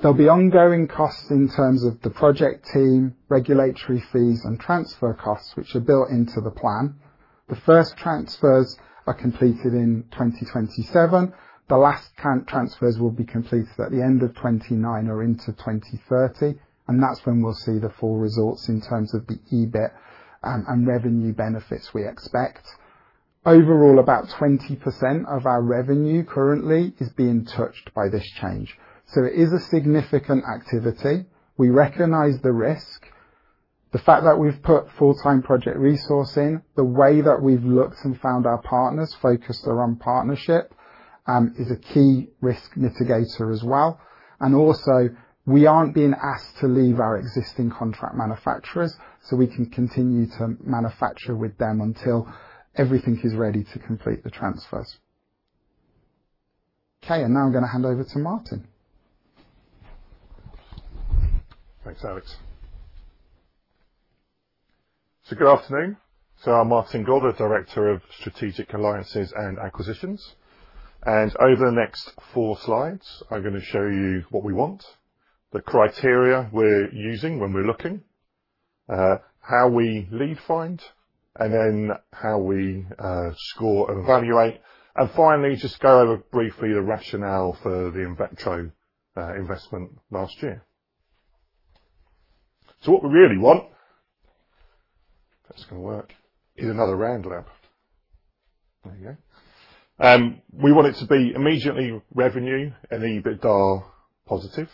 There'll be ongoing costs in terms of the project team, regulatory fees, and transfer costs, which are built into the plan. The first transfers are completed in 2027. The last transfers will be completed at the end of 2029 or into 2030, and that's when we'll see the full results in terms of the EBIT and revenue benefits we expect. Overall, about 20% of our revenue currently is being touched by this change. It is a significant activity. We recognize the risk. The fact that we've put full-time project resourcing, the way that we've looked and found our partners focused around partnership, is a key risk mitigator as well. We aren't being asked to leave our existing contract manufacturers so we can continue to manufacture with them until everything is ready to complete the transfers. Now I'm gonna hand over to Martin. Thanks, Alex. Good afternoon. I'm Martin Gore, Director of Strategic Alliances and Acquisitions. Over the next four slides, I'm gonna show you what we want, the criteria we're using when we're looking, how we lead find, and then how we score, evaluate, and finally, just go over briefly the rationale for the InVetro investment last year. What we really want, if that's gonna work, is another Randlab. There you go. We want it to be immediately revenue and EBITDA positive.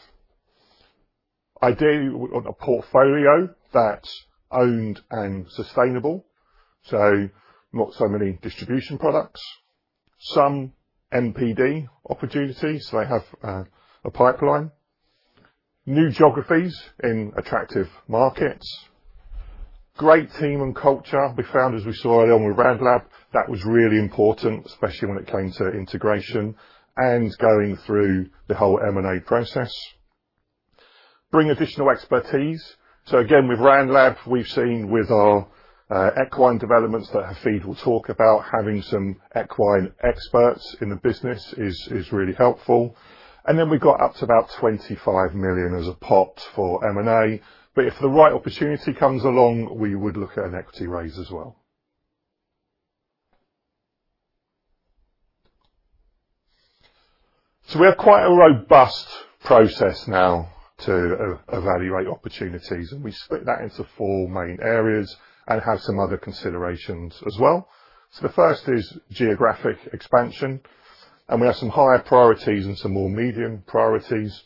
Ideally, we want a portfolio that's owned and sustainable, so not so many distribution products. Some NPD opportunities, so they have a pipeline. New geographies in attractive markets. Great team and culture. We found, as we saw earlier on with Randlab, that was really important, especially when it came to integration and going through the whole M&A process. Bring additional expertise. So again, with Randlab, we've seen with our equine developments that Hafid will talk about, having some equine experts in the business is really helpful. And then we've got up to about 25 million as a pot for M&A. But if the right opportunity comes along, we would look at an equity raise as well. So we have quite a robust process now to evaluate opportunities, and we split that into four main areas and have some other considerations as well. So the first is geographic expansion, and we have some higher priorities and some more medium priorities.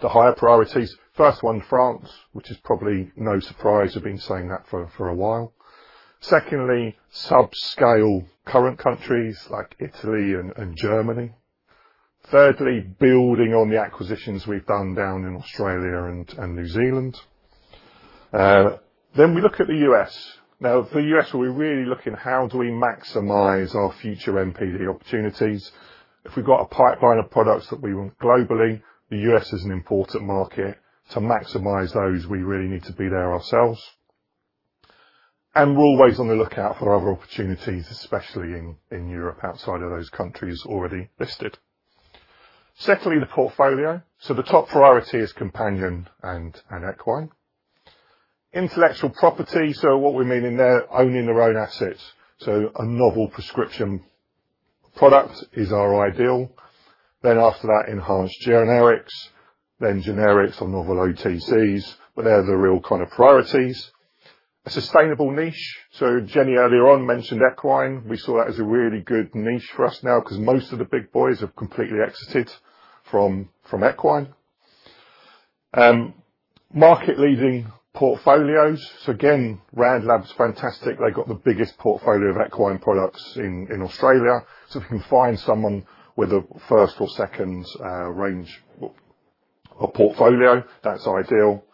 The higher priorities, first one, France, which is probably no surprise. We've been saying that for a while. Secondly, sub-scale current countries like Italy and Germany. Thirdly, building on the acquisitions we've done down in Australia and New Zealand. Then we look at the US. Now, for the U.S., we're really looking at how do we maximize our future NPD opportunities. If we've got a pipeline of products that we want globally, the U.S. is an important market. To maximize those, we really need to be there ourselves. We're always on the lookout for other opportunities, especially in Europe, outside of those countries already listed. Secondly, the portfolio. The top priority is companion and equine. Intellectual property, what we mean in there, owning their own assets. A novel prescription product is our ideal. After that, enhanced generics. Generics or novel OTCs. They're the real kind of priorities. A sustainable niche. Jennifer earlier on mentioned equine. We saw that as a really good niche for us now because most of the big boys have completely exited from equine. Market-leading portfolios, again, Randlab's fantastic. They've got the biggest portfolio of equine products in Australia. If you can find someone with a first or second range of portfolio, that's ideal.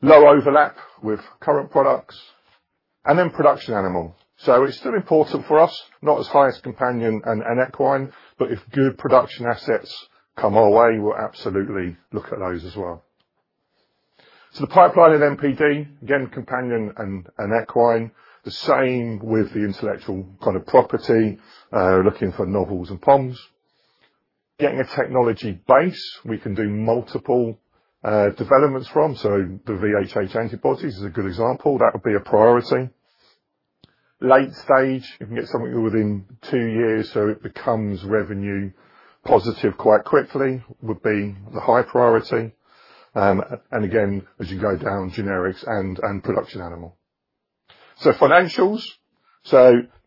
Low overlap with current products. Production animal. It's still important for us, not as high as companion and equine, but if good production assets come our way, we'll absolutely look at those as well. The pipeline in NPD, again, companion and equine. The same with the intellectual kind of property, looking for novels and POMs. Getting a technology base we can do multiple developments from. The VHH antibodies is a good example. That would be a priority. Late stage, you can get something within two years, so it becomes revenue positive quite quickly, would be the high priority. Again, as you go down, generics and production animal. Financials.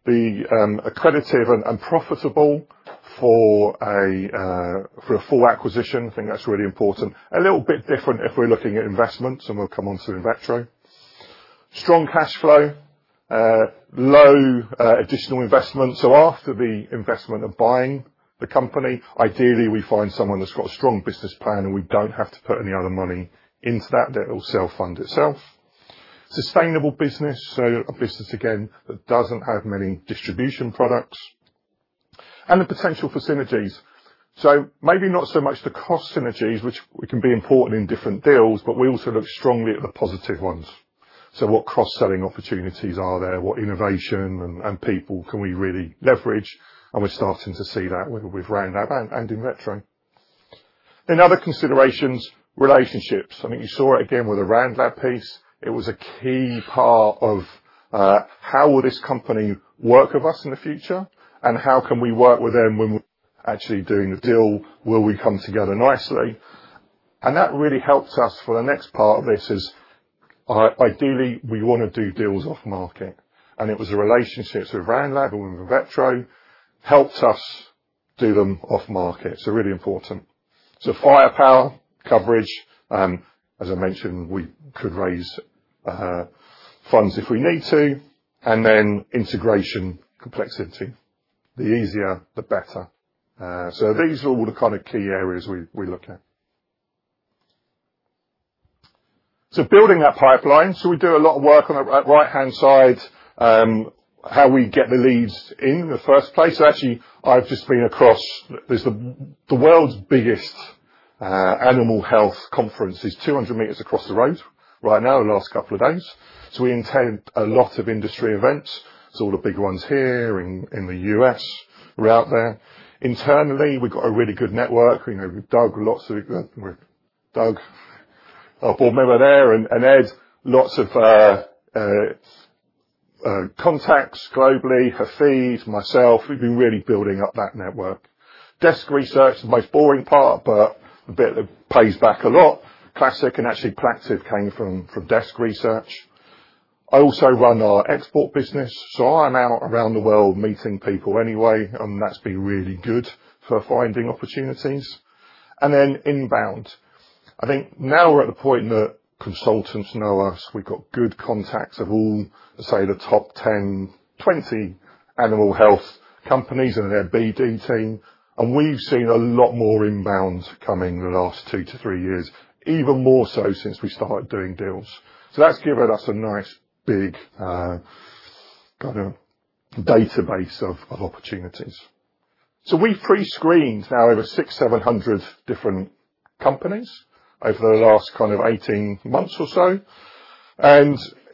Be accretive and profitable for a full acquisition, I think that's really important. A little bit different if we're looking at investments, and we'll come onto InVetro. Strong cash flow. Low additional investment. After the investment of buying the company, ideally, we find someone that's got a strong business plan, and we don't have to put any other money into that. That will self-fund itself. Sustainable business. A business, again, that doesn't have many distribution products. The potential for synergies. Maybe not so much the cost synergies, which can be important in different deals, but we also look strongly at the positive ones. What cross-selling opportunities are there? What innovation and people can we really leverage? We're starting to see that with Randlab and InVetro. In other considerations, relationships. I mean, you saw it again with the Randlab piece. It was a key part of how will this company work with us in the future and how can we work with them when we're actually doing the deal? Will we come together nicely? That really helps us for the next part of this is, ideally, we want to do deals off-market. It was the relationships with Randlab and with InVetro helped us do them off-market. Really important. Firepower, coverage, as I mentioned, we could raise funds if we need to, and then integration complexity. The easier, the better. These are all the kind of key areas we look at. Building that pipeline. We do a lot of work on the right-hand side, how we get the leads in the first place. Actually, the world's biggest animal health conference is 200 meters across the road right now, the last couple of days. We attend a lot of industry events. All the big ones here in the U.S., we're out there. Internally, we've got a really good network. We've Doug, our Board Member there, and Ed, lots of contacts globally. Hafid Benchaoui, myself. We've been really building up that network. Desk research is the most boring part, but the bit that pays back a lot. Classic, and actually Plaqtiv+ came from desk research. I also run our export business, so I am out around the world meeting people anyway, and that's been really good for finding opportunities. Inbound. I think now we're at the point that consultants know us. We've got good contacts at all, say the top 10-20 animal health companies in their BD team, and we've seen a lot more inbound coming the last two-three years, even more so since we started doing deals. That's given us a nice big kind of database of opportunities. We've pre-screened now over 600-700 different companies over the last kind of 18 months or so.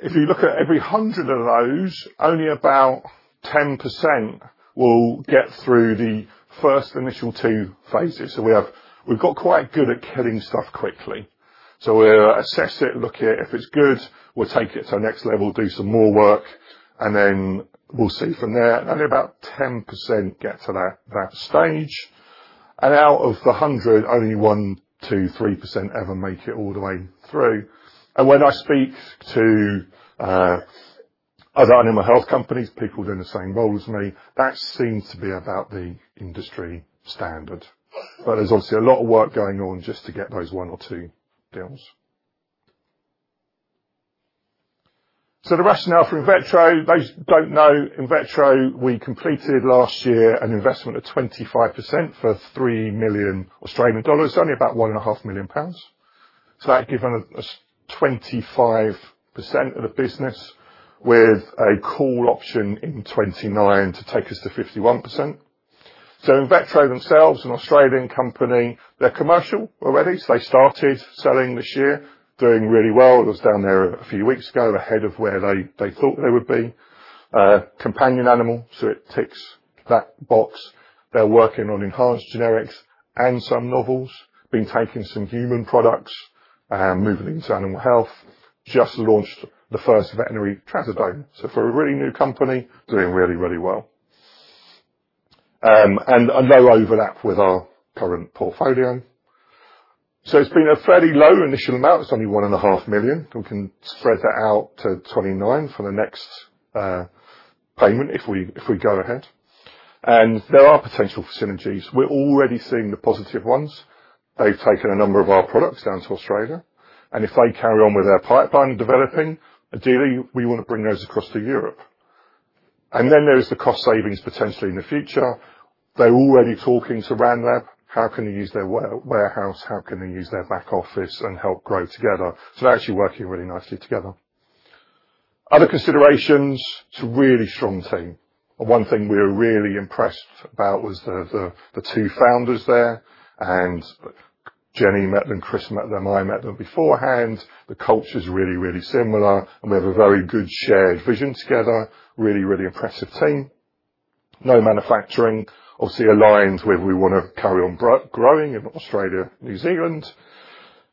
If you look at every 100 of those, only about 10% will get through the first initial two phases. We've got quite good at killing stuff quickly. We'll assess it, look at it. If it's good, we'll take it to the next level, do some more work, and then we'll see from there. Only about 10% get to that stage. Out of the 100, only 1%-3% ever make it all the way through. And when I speak to other animal health companies, people doing the same role as me, that seems to be about the industry standard. But there's obviously a lot of work going on just to get those one or two deals. So the rationale for InVetro. Those who don't know InVetro, we completed last year an investment of 25% for 3 million Australian dollars, only about 1.5 million pounds. So that given us 25% of the business with a call option in 2029 to take us to 51%. So InVetro themselves, an Australian company, they're commercial already. So they started selling this year, doing really well. I was down there a few weeks ago, ahead of where they thought they would be. Companion animal, so it ticks that box. They're working on enhanced generics and some novels. Been taking some human products and moving them to animal health. They just launched the first veterinary trazodone. For a really new company, doing really, really well. A low overlap with our current portfolio. It's been a fairly low initial amount. It's only 1.5 million. We can spread that out to 2029 for the next payment if we go ahead. There are potential synergies. We're already seeing the positive ones. They've taken a number of our products down to Australia, and if they carry on with their pipeline developing, ideally, we want to bring those across to Europe. There is the cost savings potentially in the future. They're already talking to Randlab, how can they use their warehouse, how can they use their back office and help grow together. They're actually working really nicely together. Other considerations, it's a really strong team. One thing we were really impressed about was the two founders there, and Jennifer met them, Chris met them, I met them beforehand. The culture is really, really similar, and we have a very good shared vision together. Really, really impressive team. No manufacturing obviously aligns where we want to carry on growing in Australia, New Zealand.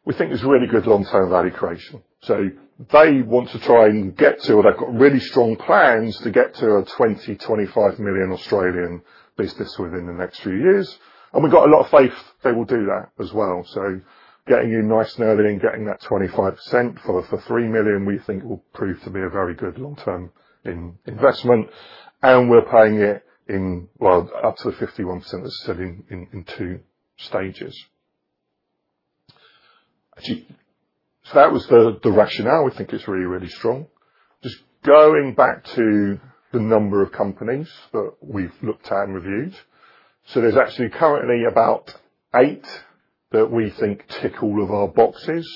We think there's really good long-term value creation. They want to try and get to, or they've got really strong plans to get to a 20 million-25 million Australian business within the next few years. We've got a lot of faith they will do that as well. Getting in nice and early and getting that 25% for 3 million we think will prove to be a very good long-term investment. We're paying it in, well, up to 51% as I said, in two stages. That was the rationale. We think it's really, really strong. Just going back to the number of companies that we've looked at and reviewed. There's actually currently about eight that we think tick all of our boxes,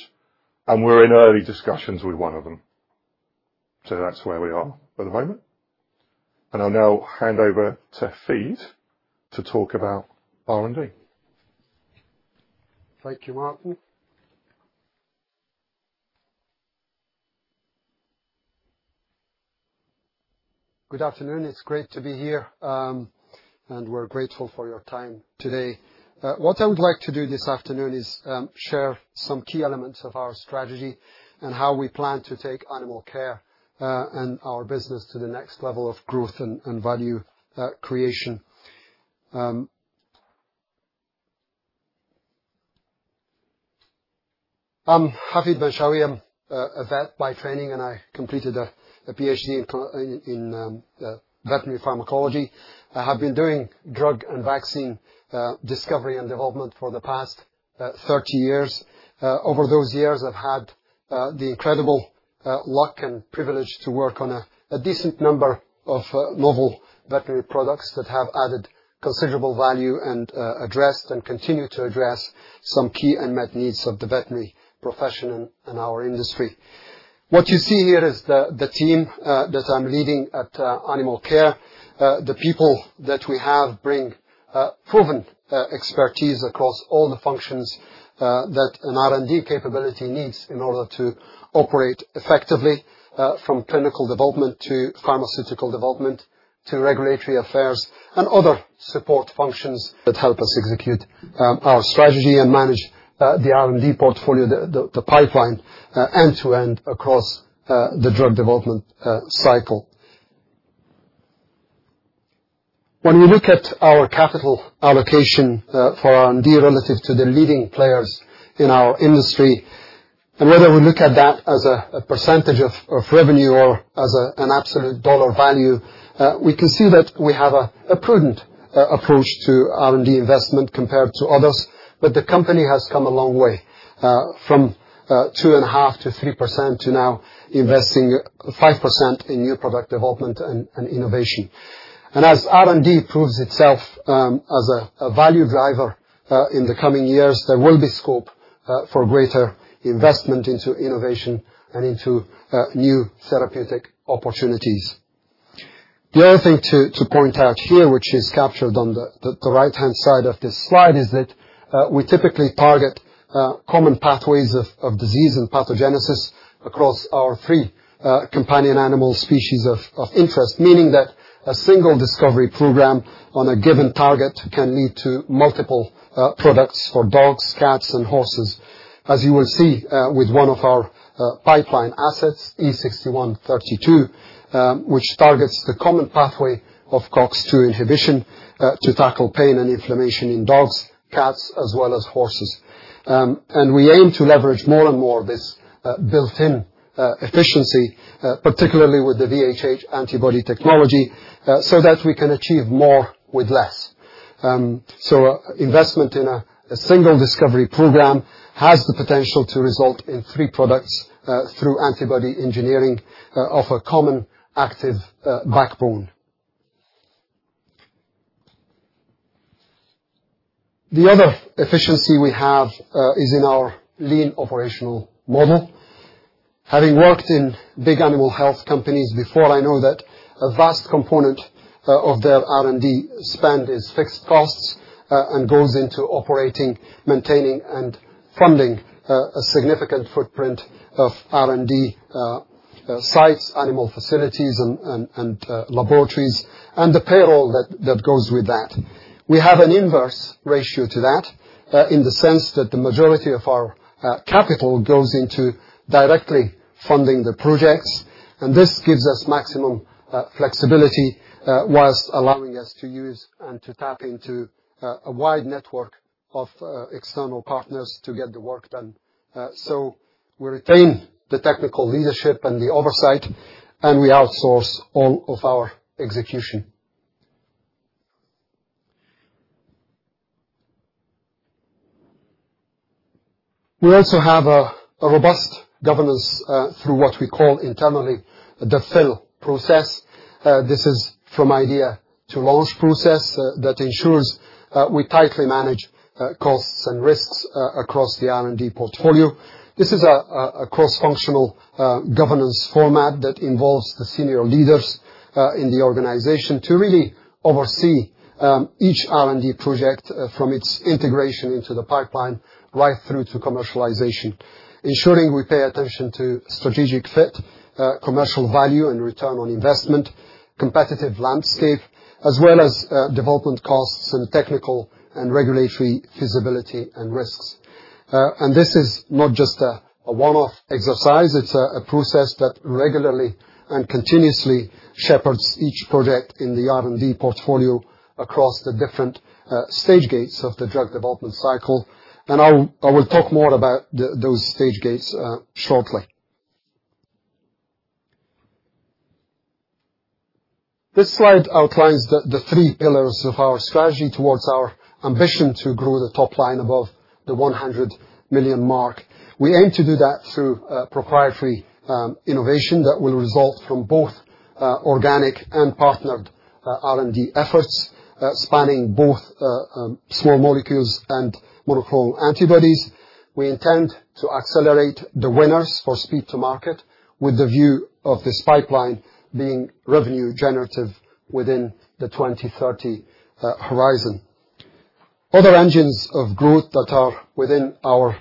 and we're in early discussions with one of them. That's where we are at the moment. I'll now hand over to Hafid to talk about R&D. Thank you, Martin. Good afternoon. It's great to be here, and we're grateful for your time today. What I would like to do this afternoon is share some key elements of our strategy and how we plan to take Animalcare and our business to the next level of growth and value creation. I'm Hafid Benchaoui. I'm a vet by training, and I completed a PhD in veterinary pharmacology. I have been doing drug and vaccine discovery and development for the past 30 years. Over those years, I've had the incredible luck and privilege to work on a decent number of novel veterinary products that have added considerable value and addressed and continue to address some key unmet needs of the veterinary profession and our industry. What you see here is the team that I'm leading at Animalcare. The people that we have bring proven expertise across all the functions that an R&D capability needs in order to operate effectively from clinical development to pharmaceutical development to regulatory affairs and other support functions that help us execute our strategy and manage the R&D portfolio, the pipeline end-to-end across the drug development cycle. When we look at our capital allocation for R&D relative to the leading players in our industry, and whether we look at that as a percentage of revenue or as an absolute dollar value, we can see that we have a prudent approach to R&D investment compared to others. The company has come a long way from 2.5%-3% to now investing 5% in new product development and innovation. As R&D proves itself as a value driver in the coming years, there will be scope for greater investment into innovation and into new therapeutic opportunities. The other thing to point out here, which is captured on the right-hand side of this slide, is that we typically target common pathways of disease and pathogenesis across our three companion animal species of interest, meaning that a single discovery program on a given target can lead to multiple products for dogs, cats, and horses. As you will see with one of our pipeline assets, E6132, which targets the common pathway of COX-2 inhibition to tackle pain and inflammation in dogs, cats, as well as horses, we aim to leverage more and more of this built-in efficiency, particularly with the VHH antibody technology, so that we can achieve more with less. Investment in a single discovery program has the potential to result in three products through antibody engineering of a common active backbone. The other efficiency we have is in our lean operational model. Having worked in big animal health companies before, I know that a vast component of their R&D spend is fixed costs and goes into operating, maintaining, and funding a significant footprint of R&D sites, animal facilities, and laboratories, and the payroll that goes with that. We have an inverse ratio to that in the sense that the majority of our capital goes into directly funding the projects, and this gives us maximum flexibility whilst allowing us to use and to tap into a wide network of external partners to get the work done. We retain the technical leadership and the oversight, and we outsource all of our execution. We also have a robust governance through what we call internally the I2L process. This is the Idea to Launch process that ensures we tightly manage costs and risks across the R&D portfolio. This is a cross-functional governance format that involves the senior leaders in the organization to really oversee each R&D project from its integration into the pipeline right through to commercialization, ensuring we pay attention to strategic fit, commercial value, and return on investment, competitive landscape, as well as development costs and technical and regulatory feasibility and risks. This is not just a one-off exercise. It's a process that regularly and continuously shepherds each project in the R&D portfolio across the different stage gates of the drug development cycle. I will talk more about those stage gates shortly. This slide outlines the three pillars of our strategy towards our ambition to grow the top line above the 100 million mark. We aim to do that through proprietary innovation that will result from both organic and partnered R&D efforts, spanning both small molecules and monoclonal antibodies. We intend to accelerate the winners for speed to market with a view of this pipeline being revenue generative within the 2030 horizon. Other engines of growth that are within our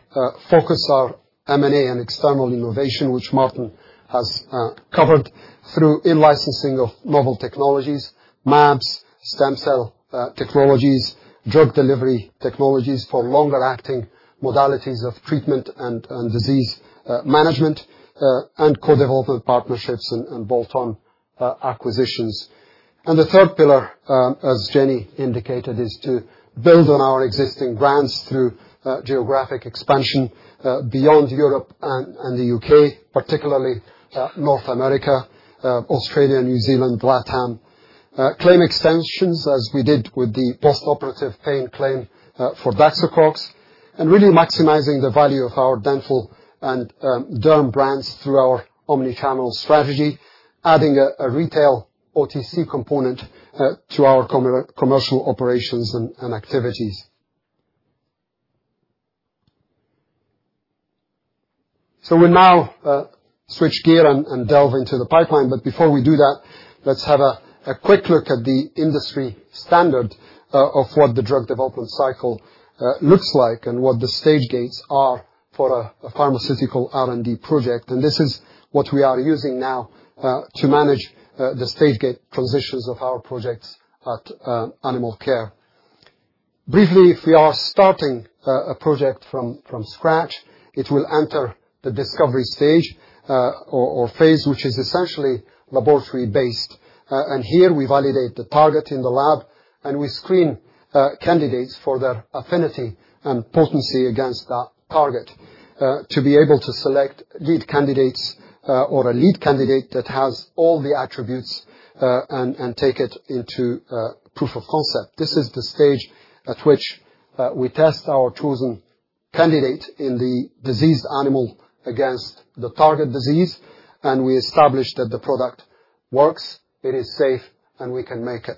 focus are M&A and external innovation, which Martin has covered through in-licensing of novel technologies, mAbs, stem cell technologies, drug delivery technologies for longer-acting modalities of treatment and disease management, and co-development partnerships and bolt-on acquisitions. The third pillar, as Jennifer indicated, is to build on our existing brands through geographic expansion beyond Europe and the U.K., particularly North America, Australia, New Zealand, LATAM. Claim extensions as we did with the postoperative pain claim for Daxocox, and really maximizing the value of our dental and derm brands through our omni-channel strategy, adding a retail OTC component to our commercial operations and activities. We'll now switch gear and delve into the pipeline. Before we do that, let's have a quick look at the industry standard of what the drug development cycle looks like and what the stage gates are for a pharmaceutical R&D project. This is what we are using now to manage the stage gate transitions of our projects at Animalcare. Briefly, if we are starting a project from scratch, it will enter the discovery stage or phase, which is essentially laboratory based. And here we validate the target in the lab, and we screen candidates for their affinity and potency against that target, to be able to select lead candidates or a lead candidate that has all the attributes and take it into proof of concept. This is the stage at which we test our chosen candidate in the diseased animal against the target disease, and we establish that the product works, it is safe, and we can make it.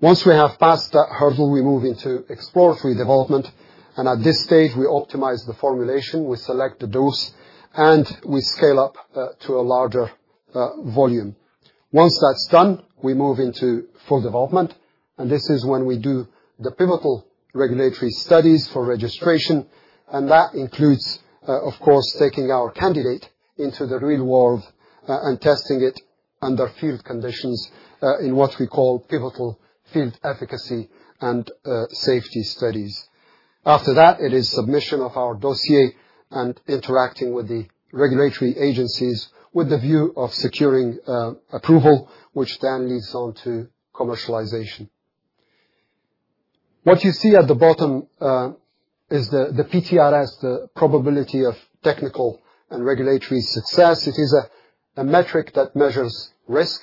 Once we have passed that hurdle, we move into exploratory development, and at this stage, we optimize the formulation, we select the dose, and we scale up to a larger volume. Once that's done, we move into full development. This is when we do the pivotal regulatory studies for registration. That includes, of course, taking our candidate into the real world and testing it under field conditions in what we call pivotal field efficacy and safety studies. After that, it is submission of our dossier and interacting with the regulatory agencies with a view of securing approval, which then leads on to commercialization. What you see at the bottom is the PTRS, the Probability of Technical and Regulatory Success. It is a metric that measures risk.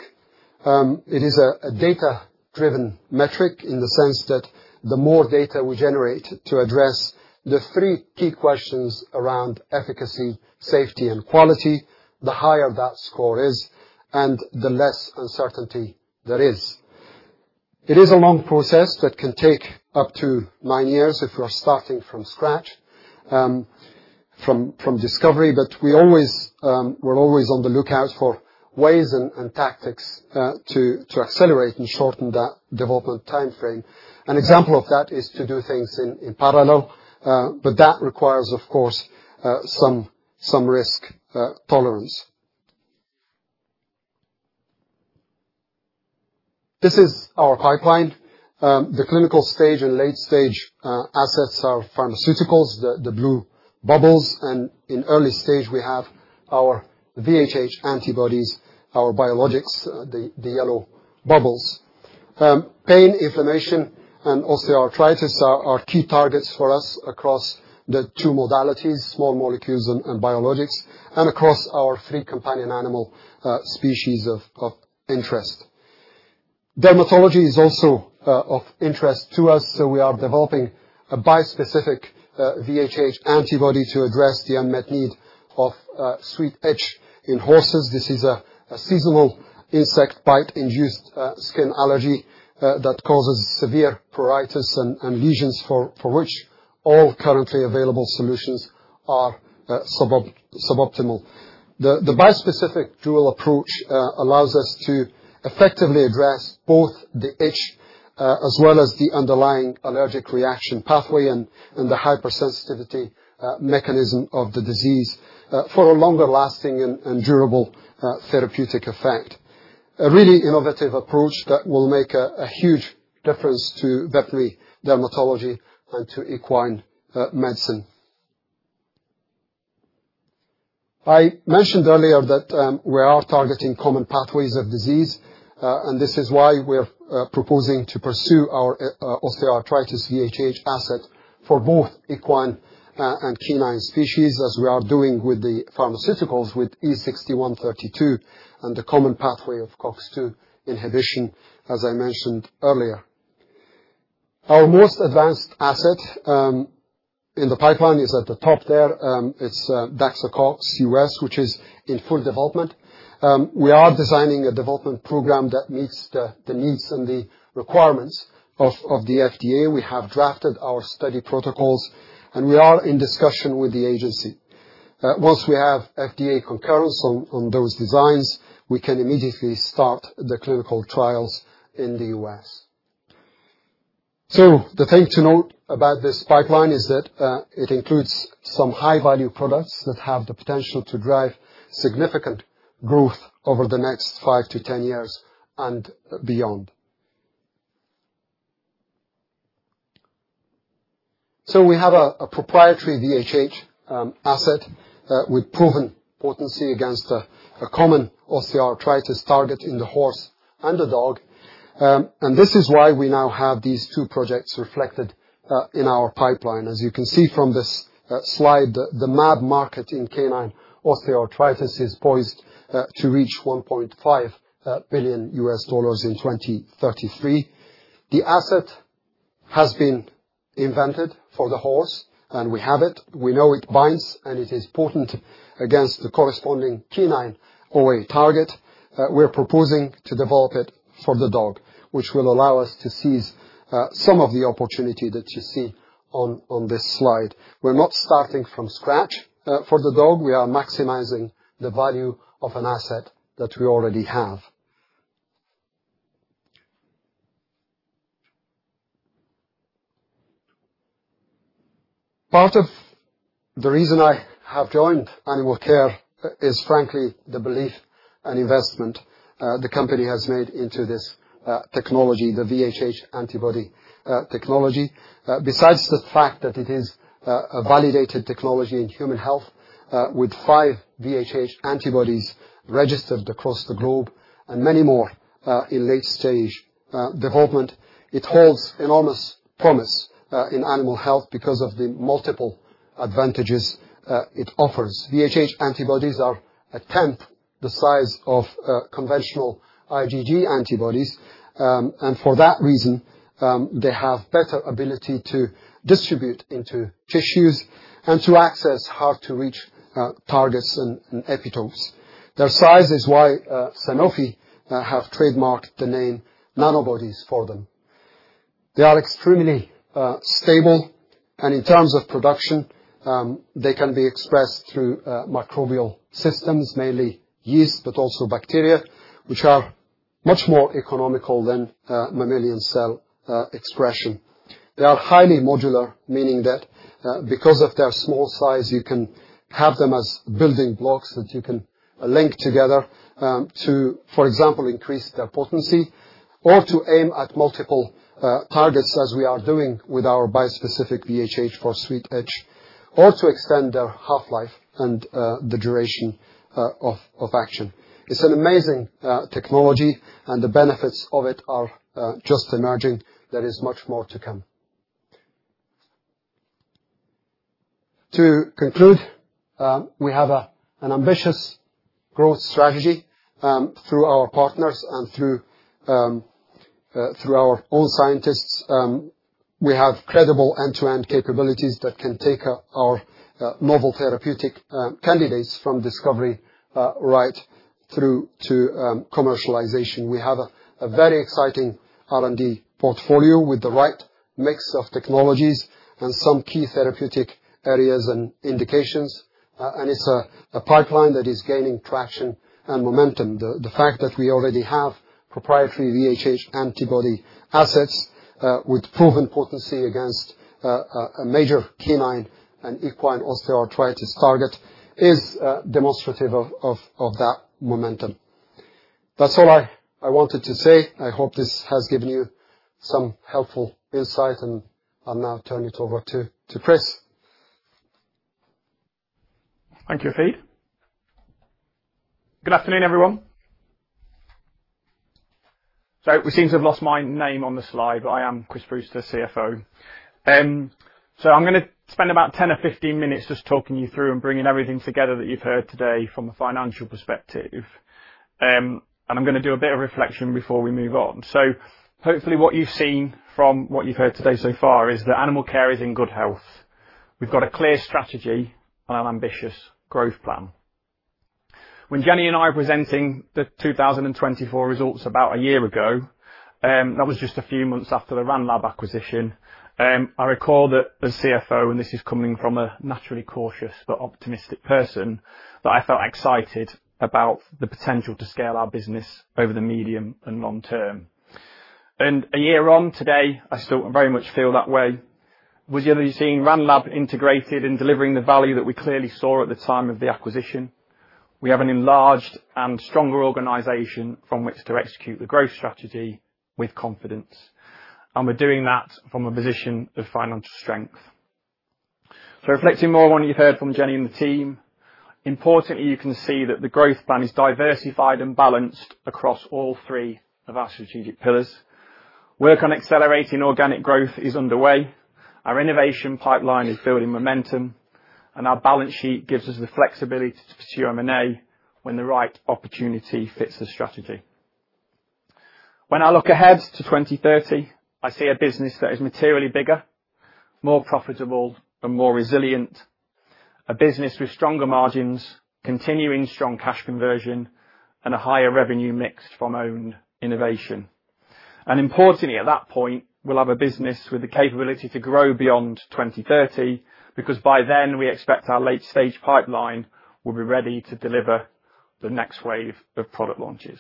It is a data-driven metric in the sense that the more data we generate to address the three key questions around efficacy, safety, and quality, the higher that score is and the less uncertainty there is. It is a long process that can take up to nine years if you are starting from scratch, from discovery, but we're always on the lookout for ways and tactics to accelerate and shorten that development time frame. An example of that is to do things in parallel, but that requires, of course, some risk tolerance. This is our pipeline. The clinical stage and late stage assets are pharmaceuticals, the blue bubbles. In early stage, we have our VHH antibodies, our biologics, the yellow bubbles. Pain, inflammation, and osteoarthritis are our key targets for us across the two modalities, small molecules and biologics, and across our three companion animal species of interest. Dermatology is also of interest to us, so we are developing a bispecific VHH antibody to address the unmet need of Sweet Itch in horses. This is a seasonal insect bite-induced skin allergy that causes severe pruritus and lesions for which all currently available solutions are suboptimal. The bispecific dual approach allows us to effectively address both the itch as well as the underlying allergic reaction pathway and the hypersensitivity mechanism of the disease, for a longer lasting and durable therapeutic effect, a really innovative approach that will make a huge difference to veterinary dermatology and to equine medicine. I mentioned earlier that we are targeting common pathways of disease. This is why we're proposing to pursue our osteoarthritis VHH asset for both equine and canine species, as we are doing with the pharmaceuticals with E6132 and the common pathway of COX-2 inhibition, as I mentioned earlier. Our most advanced asset in the pipeline is at the top there. It's Daxocox U.S., which is in full development. We are designing a development program that meets the needs and the requirements of the FDA. We have drafted our study protocols, and we are in discussion with the agency. Once we have FDA concurrence on those designs, we can immediately start the clinical trials in the U.S. The thing to note about this pipeline is that it includes some high-value products that have the potential to drive significant growth over the next five-10 years and beyond. We have a proprietary VHH asset with proven potency against a common osteoarthritis target in the horse and the dog. This is why we now have these two projects reflected in our pipeline. As you can see from this slide, the mAbs market in canine osteoarthritis is poised to reach $1.5 billion in 2033. The asset has been invented for the horse, and we have it. We know it binds, and it is potent against the corresponding canine OA target. We're proposing to develop it for the dog, which will allow us to seize some of the opportunity that you see on this slide. We're not starting from scratch for the dog. We are maximizing the value of an asset that we already have. Part of the reason I have joined Animalcare is frankly the belief and investment the company has made into this technology, the VHH antibody technology. Besides the fact that it is a validated technology in human health with five VHH antibodies registered across the globe and many more in late-stage development, it holds enormous promise in animal health because of the multiple advantages it offers. VHH antibodies are a tenth the size of conventional IgG antibodies. For that reason, they have better ability to distribute into tissues and to access hard-to-reach targets and epitopes. Their size is why Sanofi have trademarked the name Nanobodies for them. They are extremely stable, and in terms of production, they can be expressed through microbial systems, mainly yeast, but also bacteria, which are much more economical than mammalian cell expression. They are highly modular, meaning that because of their small size, you can have them as building blocks that you can link together to, for example, increase their potency or to aim at multiple targets, as we are doing with our bispecific VHH for Sweet Itch, or to extend their half-life and the duration of action. It's an amazing technology and the benefits of it are just emerging. There is much more to come. To conclude, we have an ambitious growth strategy through our partners and through our own scientists. We have credible end-to-end capabilities that can take our novel therapeutic candidates from discovery right through to commercialization. We have a very exciting R&D portfolio with the right mix of technologies and some key therapeutic areas and indications. It's a pipeline that is gaining traction and momentum. The fact that we already have proprietary VHH antibody assets with proven potency against a major canine and equine osteoarthritis target is demonstrative of that momentum. That's all I wanted to say. I hope this has given you some helpful insight, and I'll now turn it over to Chris. Thank you, Hifad. Good afternoon, everyone. We seem to have lost my name on the slide, but I am Chris Brewster, CFO. I'm gonna spend about 10 or 15 minutes just talking you through and bringing everything together that you've heard today from a financial perspective. I'm gonna do a bit of reflection before we move on. Hopefully what you've seen from what you've heard today so far is that Animalcare is in good health. We've got a clear strategy and an ambitious growth plan. When Jennifer and I were presenting the 2024 results about a year ago, and that was just a few months after the Randlab acquisition, I recall that the CFO, and this is coming from a naturally cautious but optimistic person, that I felt excited about the potential to scale our business over the medium and long term. A year on today, I still very much feel that way. With Randlab integrated and delivering the value that we clearly saw at the time of the acquisition, we have an enlarged and stronger organization from which to execute the growth strategy with confidence. We're doing that from a position of financial strength. Reflecting more on what you've heard from Jennifer and the team, importantly, you can see that the growth plan is diversified and balanced across all three of our strategic pillars. Work on accelerating organic growth is underway. Our innovation pipeline is building momentum, and our balance sheet gives us the flexibility to pursue M&A when the right opportunity fits the strategy. When I look ahead to 2030, I see a business that is materially bigger, more profitable and more resilient. A business with stronger margins, continuing strong cash conversion, and a higher revenue mix from own innovation. Importantly, at that point, we'll have a business with the capability to grow beyond 2030, because by then, we expect our late-stage pipeline will be ready to deliver the next wave of product launches.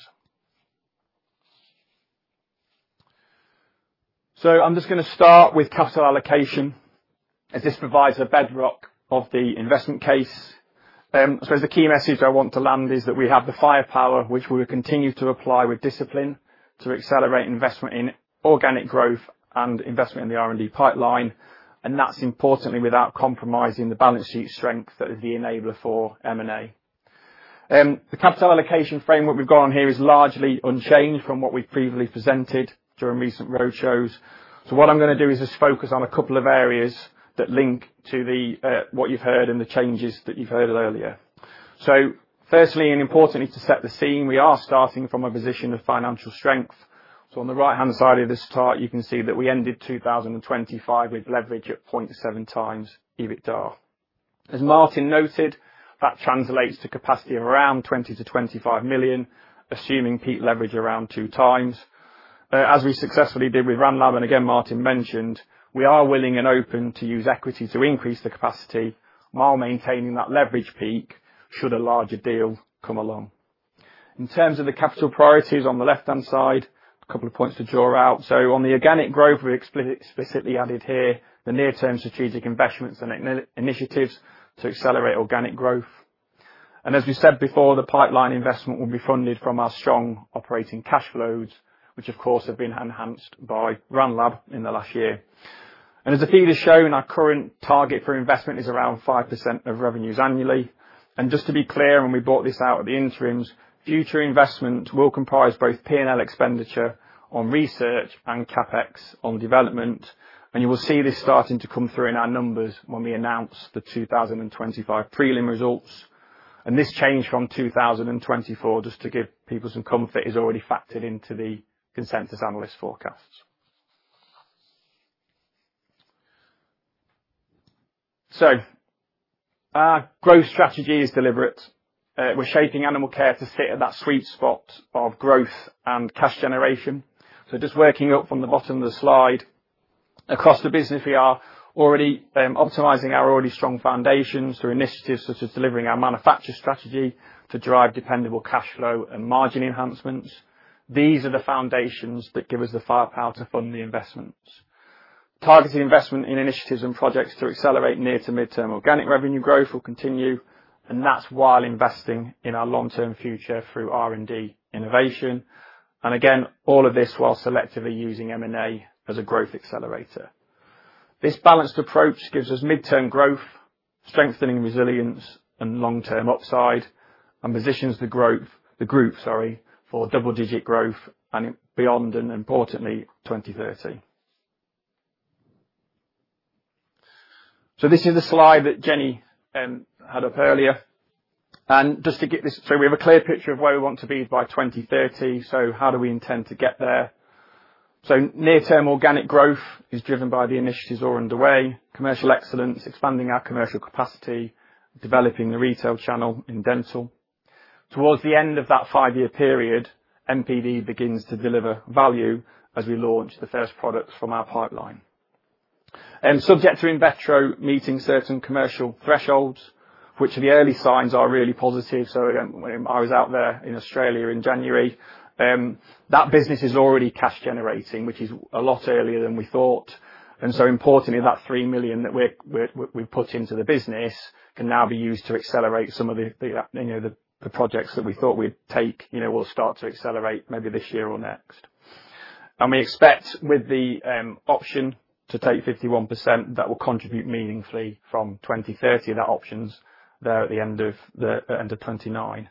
I'm just going to start with capital allocation, as this provides a bedrock of the investment case. As the key message I want to land is that we have the firepower, which we will continue to apply with discipline to accelerate investment in organic growth and investment in the R&D pipeline. That's importantly, without compromising the balance sheet strength, that is the enabler for M&A. The capital allocation framework we've got on here is largely unchanged from what we've previously presented during recent roadshows. What I'm going to do is just focus on a couple of areas that link to what you've heard and the changes that you've heard earlier. Firstly, and importantly, to set the scene, we are starting from a position of financial strength. On the right-hand side of this chart, you can see that we ended 2025 with leverage at 0.7x EBITDA. As Martin noted, that translates to capacity of around 20 million-25 million, assuming peak leverage around 2x. As we successfully did with Randlab, and again, Martin mentioned, we are willing and open to use equity to increase the capacity while maintaining that leverage peak should a larger deal come along. In terms of the capital priorities on the left-hand side, a couple of points to draw out. On the organic growth, we explicitly added here the near-term strategic investments and initiatives to accelerate organic growth. As we said before, the pipeline investment will be funded from our strong operating cash flows, which, of course, have been enhanced by Randlab in the last year. As the feed is showing, our current target for investment is around 5% of revenues annually. Just to be clear, and we brought this out at the interims, future investment will comprise both P&L expenditure on research and CapEx on development. You will see this starting to come through in our numbers when we announce the 2025 prelim results. This change from 2024, just to give people some comfort, is already factored into the consensus analyst forecasts. Our growth strategy is deliberate. We're shaping Animalcare to sit at that sweet spot of growth and cash generation. Just working up from the bottom of the slide. Across the business, we are already optimizing our already strong foundations through initiatives such as delivering our manufacture strategy to drive dependable cash flow and margin enhancements. These are the foundations that give us the firepower to fund the investments. Targeted investment in initiatives and projects to accelerate near-to-midterm organic revenue growth will continue, and that's while investing in our long-term future through R&D innovation. Again, all of this while selectively using M&A as a growth accelerator. This balanced approach gives us midterm growth, strengthening resilience and long-term upside, and positions the Group, sorry, for double-digit growth and beyond, and importantly, 2030. This is a slide that Jennifer had up earlier. Just to get this, so we have a clear picture of where we want to be by 2030. How do we intend to get there? Near-term organic growth is driven by the initiatives already underway, commercial excellence, expanding our commercial capacity, developing the retail channel in dental. Towards the end of that five-year period, NPD begins to deliver value as we launch the first products from our pipeline, subject to InVetro meeting certain commercial thresholds, which the early signs are really positive. Again, I was out there in Australia in January. That business is already cash generating, which is a lot earlier than we thought. Importantly, that 3 million that we put into the business can now be used to accelerate some of the projects that we thought we'd take, will start to accelerate maybe this year or next. And we expect with the option to take 51%, that will contribute meaningfully from 2030, and that option's there at the end of 2029.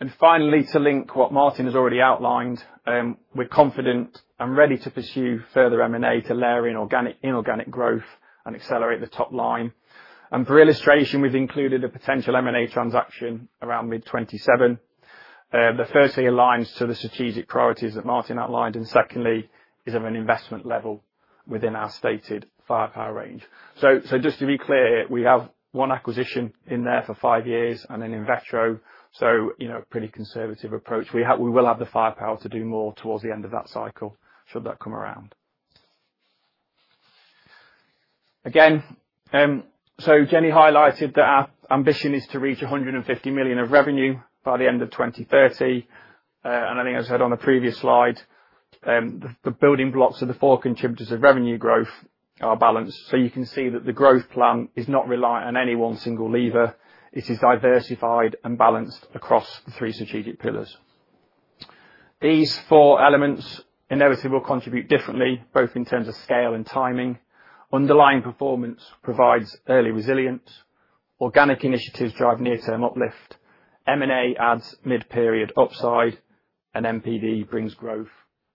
And finally, to link what Martin has already outlined, we're confident and ready to pursue further M&A to layer in organic growth and accelerate the top line. And for illustration, we've included a potential M&A transaction around mid 2027. That firstly aligns to the strategic priorities that Martin outlined, and secondly, is of an investment level within our stated firepower range. So just to be clear, we have one acquisition in there for five years and then InVetro. So a pretty conservative approach. We will have the firepower to do more towards the end of that cycle, should that come around. Again, so Jennifer highlighted that our ambition is to reach 150 million of revenue by the end of 2030. I think I said on a previous slide, the building blocks of the four contributors of revenue growth are balanced. You can see that the growth plan is not reliant on any one single lever. It is diversified and balanced across the three strategic pillars. These four elements inevitably will contribute differently, both in terms of scale and timing. Underlying performance provides early resilience. Organic initiatives drive near-term uplift. M&A adds mid-period upside, and NPD brings growth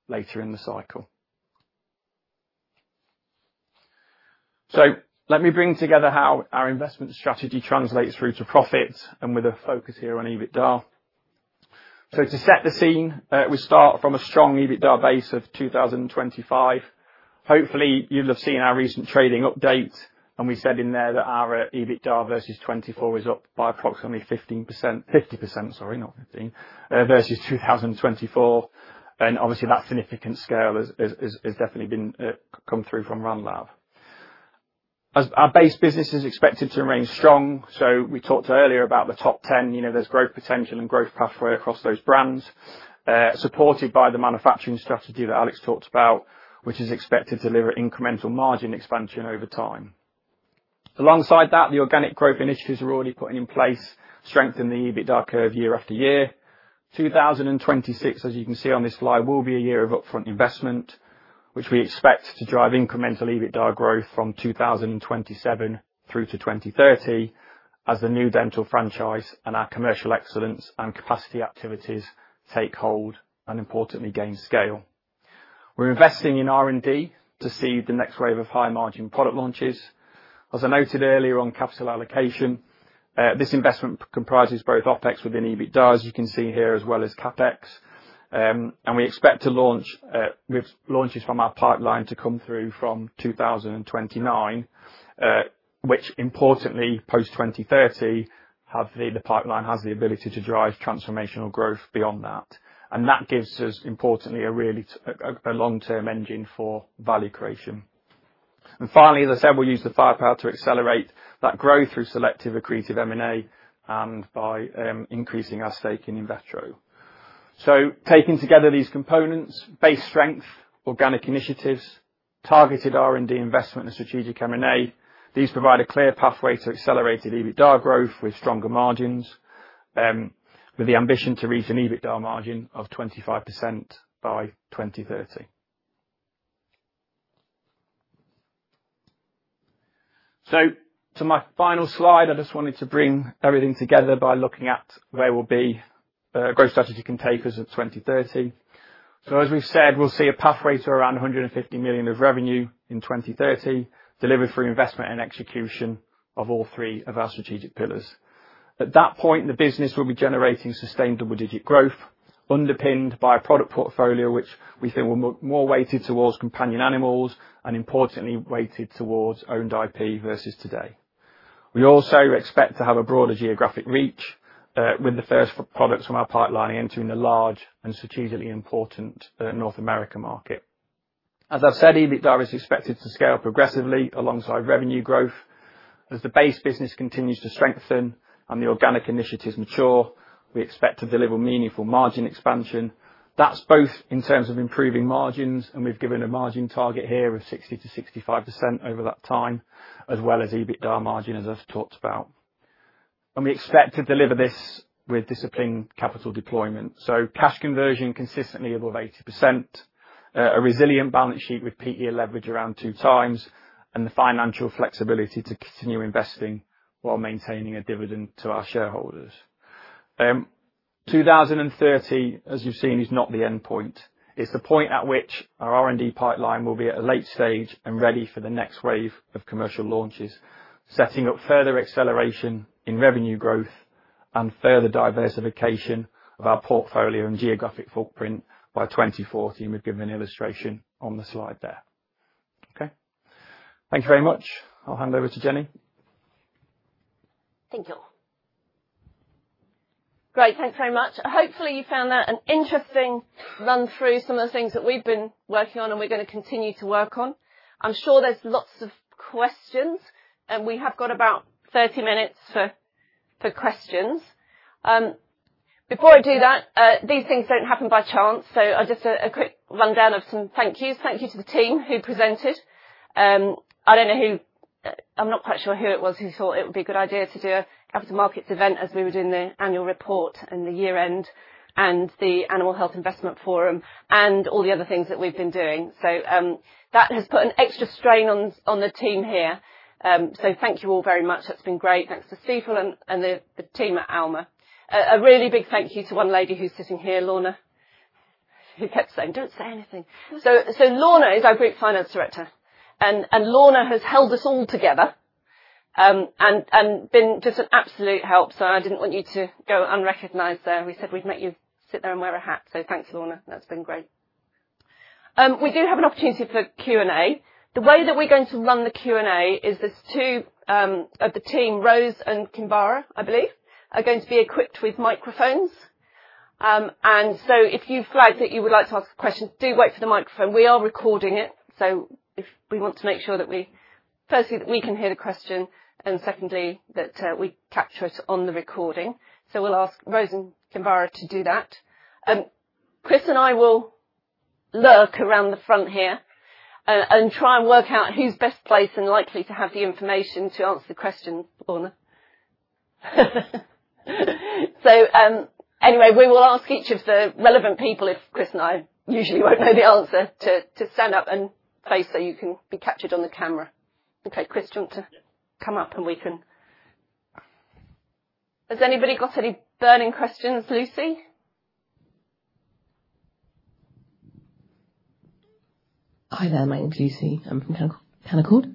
later in the cycle. Let me bring together how our investment strategy translates through to profit and with a focus here on EBITDA. To set the scene, we start from a strong EBITDA base of 2025. Hopefully you'll have seen our recent trading update, and we said in there that our EBITDA versus 2024 is up by approximately 50%, sorry, not 15%, versus 2024. Obviously that significant scale has definitely been come through from Randlab. As our base business is expected to remain strong, so we talked earlier about the top 10. There is growth potential and growth pathway across those brands, supported by the manufacturing strategy that Alex talked about, which is expected to deliver incremental margin expansion over time. Alongside that, the organic growth initiatives we're already putting in place strengthen the EBITDA curve year after year. 2026, as you can see on this slide, will be a year of upfront investment, which we expect to drive incremental EBITDA growth from 2027-2030 as the new dental franchise and our Commercial Excellence and capacity activities take hold and importantly gain scale. We're investing in R&D to seed the next wave of high-margin product launches. As I noted earlier on capital allocation, this investment comprises both OpEx within EBITDA, as you can see here, as well as CapEx. We expect to launch with launches from our pipeline to come through from 2029, which importantly post 2030, the pipeline has the ability to drive transformational growth beyond that. That gives us, importantly, a long-term engine for value creation. Finally, as I said, we'll use the firepower to accelerate that growth through selective accretive M&A and by increasing our stake in InVetro. Taking together these components, base strength, organic initiatives, targeted R&D investment and strategic M&A, these provide a clear pathway to accelerated EBITDA growth with stronger margins, with the ambition to reach an EBITDA margin of 25% by 2030. To my final slide, I just wanted to bring everything together by looking at where we'll be. Growth strategy can take us to 2030. As we've said, we'll see a pathway to around 150 million of revenue in 2030, delivered through investment and execution of all three of our strategic pillars. At that point, the business will be generating sustainable digit growth underpinned by a product portfolio, which we think will be more weighted towards companion animals and importantly, weighted towards owned IP versus today. We also expect to have a broader geographic reach, with the first products from our pipeline entering the large and strategically important North America market. As I've said, EBITDA is expected to scale progressively alongside revenue growth. As the base business continues to strengthen and the organic initiatives mature, we expect to deliver meaningful margin expansion. That's both in terms of improving margins, and we've given a margin target here of 60%-65% over that time, as well as EBITDA margin, as I've talked about. We expect to deliver this with disciplined capital deployment. Cash conversion consistently above 80%, a resilient balance sheet with peak leverage around 2x, and the financial flexibility to continue investing while maintaining a dividend to our shareholders. 2030, as you've seen, is not the end point. It's the point at which our R&D pipeline will be at a late stage and ready for the next wave of commercial launches, setting up further acceleration in revenue growth and further diversification of our portfolio and geographic footprint by 2040, and we've given an illustration on the slide there. Okay. Thank you very much. I'll hand over to Jennifer. Thank you. Great. Thanks very much. Hopefully, you found that an interesting run through some of the things that we've been working on and we're going to continue to work on. I'm sure there's lots of questions, and we have got about 30 minutes for questions. Before I do that, these things don't happen by chance. Just a quick rundown of some thank yous. Thank you to the team who presented. I'm not quite sure who it was who thought it would be a good idea to do a capital markets event as we were doing the annual report and the year-end and the Animal Health Investment Forum and all the other things that we've been doing. That has put an extra strain on the team here. Thank you all very much. It's been great. Thanks to Stephen and the team at Alma. A really big thank you to one lady who's sitting here, Lorna, who kept saying, "Don't say anything." Lorna Miall is our Group Finance Director, and Lorna has held us all together and been just an absolute help. I didn't want you to go unrecognized there. We said we'd make you sit there and wear a hat. Thanks, Lorna. That's been great. We do have an opportunity for Q&A. The way that we're going to run the Q&A is there's two of the team, Rose and Kinvara, I believe, are going to be equipped with microphones. If you flag that you would like to ask a question, do wait for the microphone. We are recording it, so we want to make sure that, firstly, we can hear the question, and secondly, that we capture it on the recording. We'll ask Rose and Kinvara to do that. Chris and I will lurk around the front here and try and work out who's best placed and likely to have the information to answer the question, Lorna. Anyway, we will ask each of the relevant people, if Chris and I usually won't know the answer, to stand up in place so you can be captured on the camera. Okay, Chris, do you want to come up? Has anybody got any burning questions? Lucy? Hi there. My name's Lucy. I'm from Canaccord.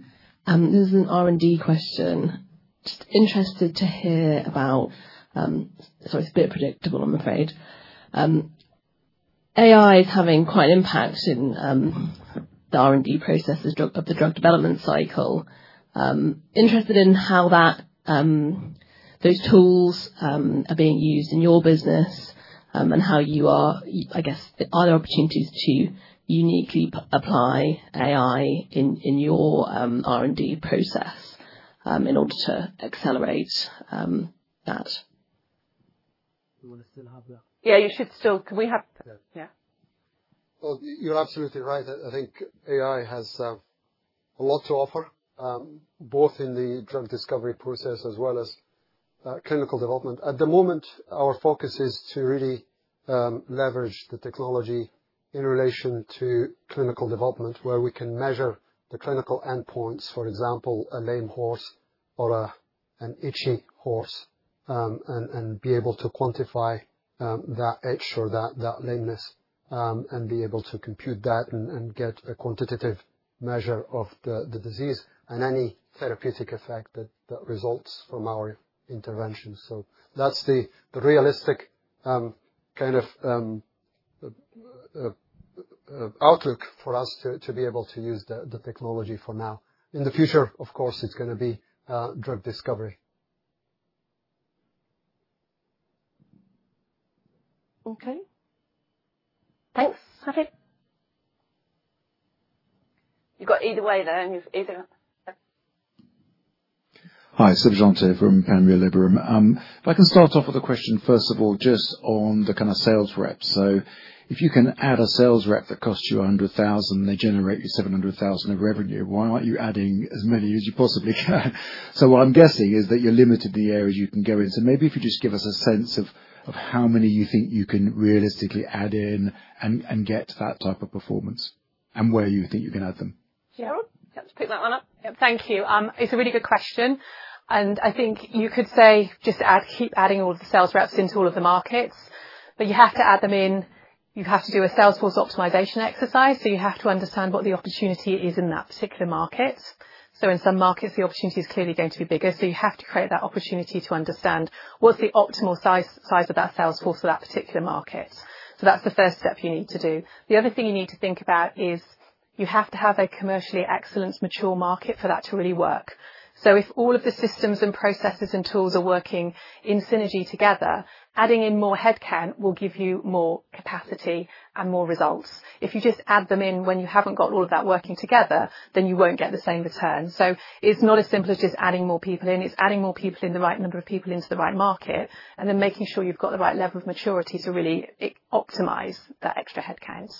This is an R&D question. Just interested to hear about, sorry, it's a bit predictable, I'm afraid. AI is having quite an impact in the R&D processes of the drug development cycle. I'm interested in how those tools are being used in your business and I guess are there opportunities to uniquely apply AI in your R&D process in order to accelerate that? Do you want to still have the? Yeah, you should still. Yeah. Yeah. Well, you're absolutely right. I think AI has a lot to offer, both in the drug discovery process as well as clinical development. At the moment, our focus is to really leverage the technology in relation to clinical development where we can measure the clinical endpoints, for example, a lame horse or an itchy horse, and be able to quantify that itch or that lameness, and be able to compute that and get a quantitative measure of the disease and any therapeutic effect that results from our interventions. That's the realistic kind of outlook for us to be able to use the technology for now. In the future, of course, it's going to be drug discovery. Okay. Thanks. Okay. You've got either way there. Hi, Seb Jantet from Panmure Liberum. If I can start off with a question, first of all, just on the kind of sales rep. So, if you can add a sales rep that costs you a hundred thousand, they generate you seven hundred thousand of revenue, why aren't you adding as many as you possibly can? So what I'm guessing is that you're limited the areas you can go in. So maybe if you just give us a sense of how many you think you can realistically add in and get that type of performance, and where you think you can add them. Cheryl, do you want to pick that one up? Yep. Thank you. It's a really good question, and I think you could say, just keep adding all of the sales reps into all of the markets, but you have to add them in, you have to do a sales force optimization exercise, so you have to understand what the opportunity is in that particular market. In some markets, the opportunity is clearly going to be bigger, so you have to create that opportunity to understand what's the optimal size of that sales force for that particular market. That's the first step you need to do. The other thing you need to think about is you have to have a commercially excellent mature market for that to really work. If all of the systems and processes and tools are working in synergy together, adding in more headcount will give you more capacity and more results. If you just add them in when you haven't got all of that working together, then you won't get the same return. It's not as simple as just adding more people in. It's adding the right number of people into the right market, and then making sure you've got the right level of maturity to really optimize that extra headcount.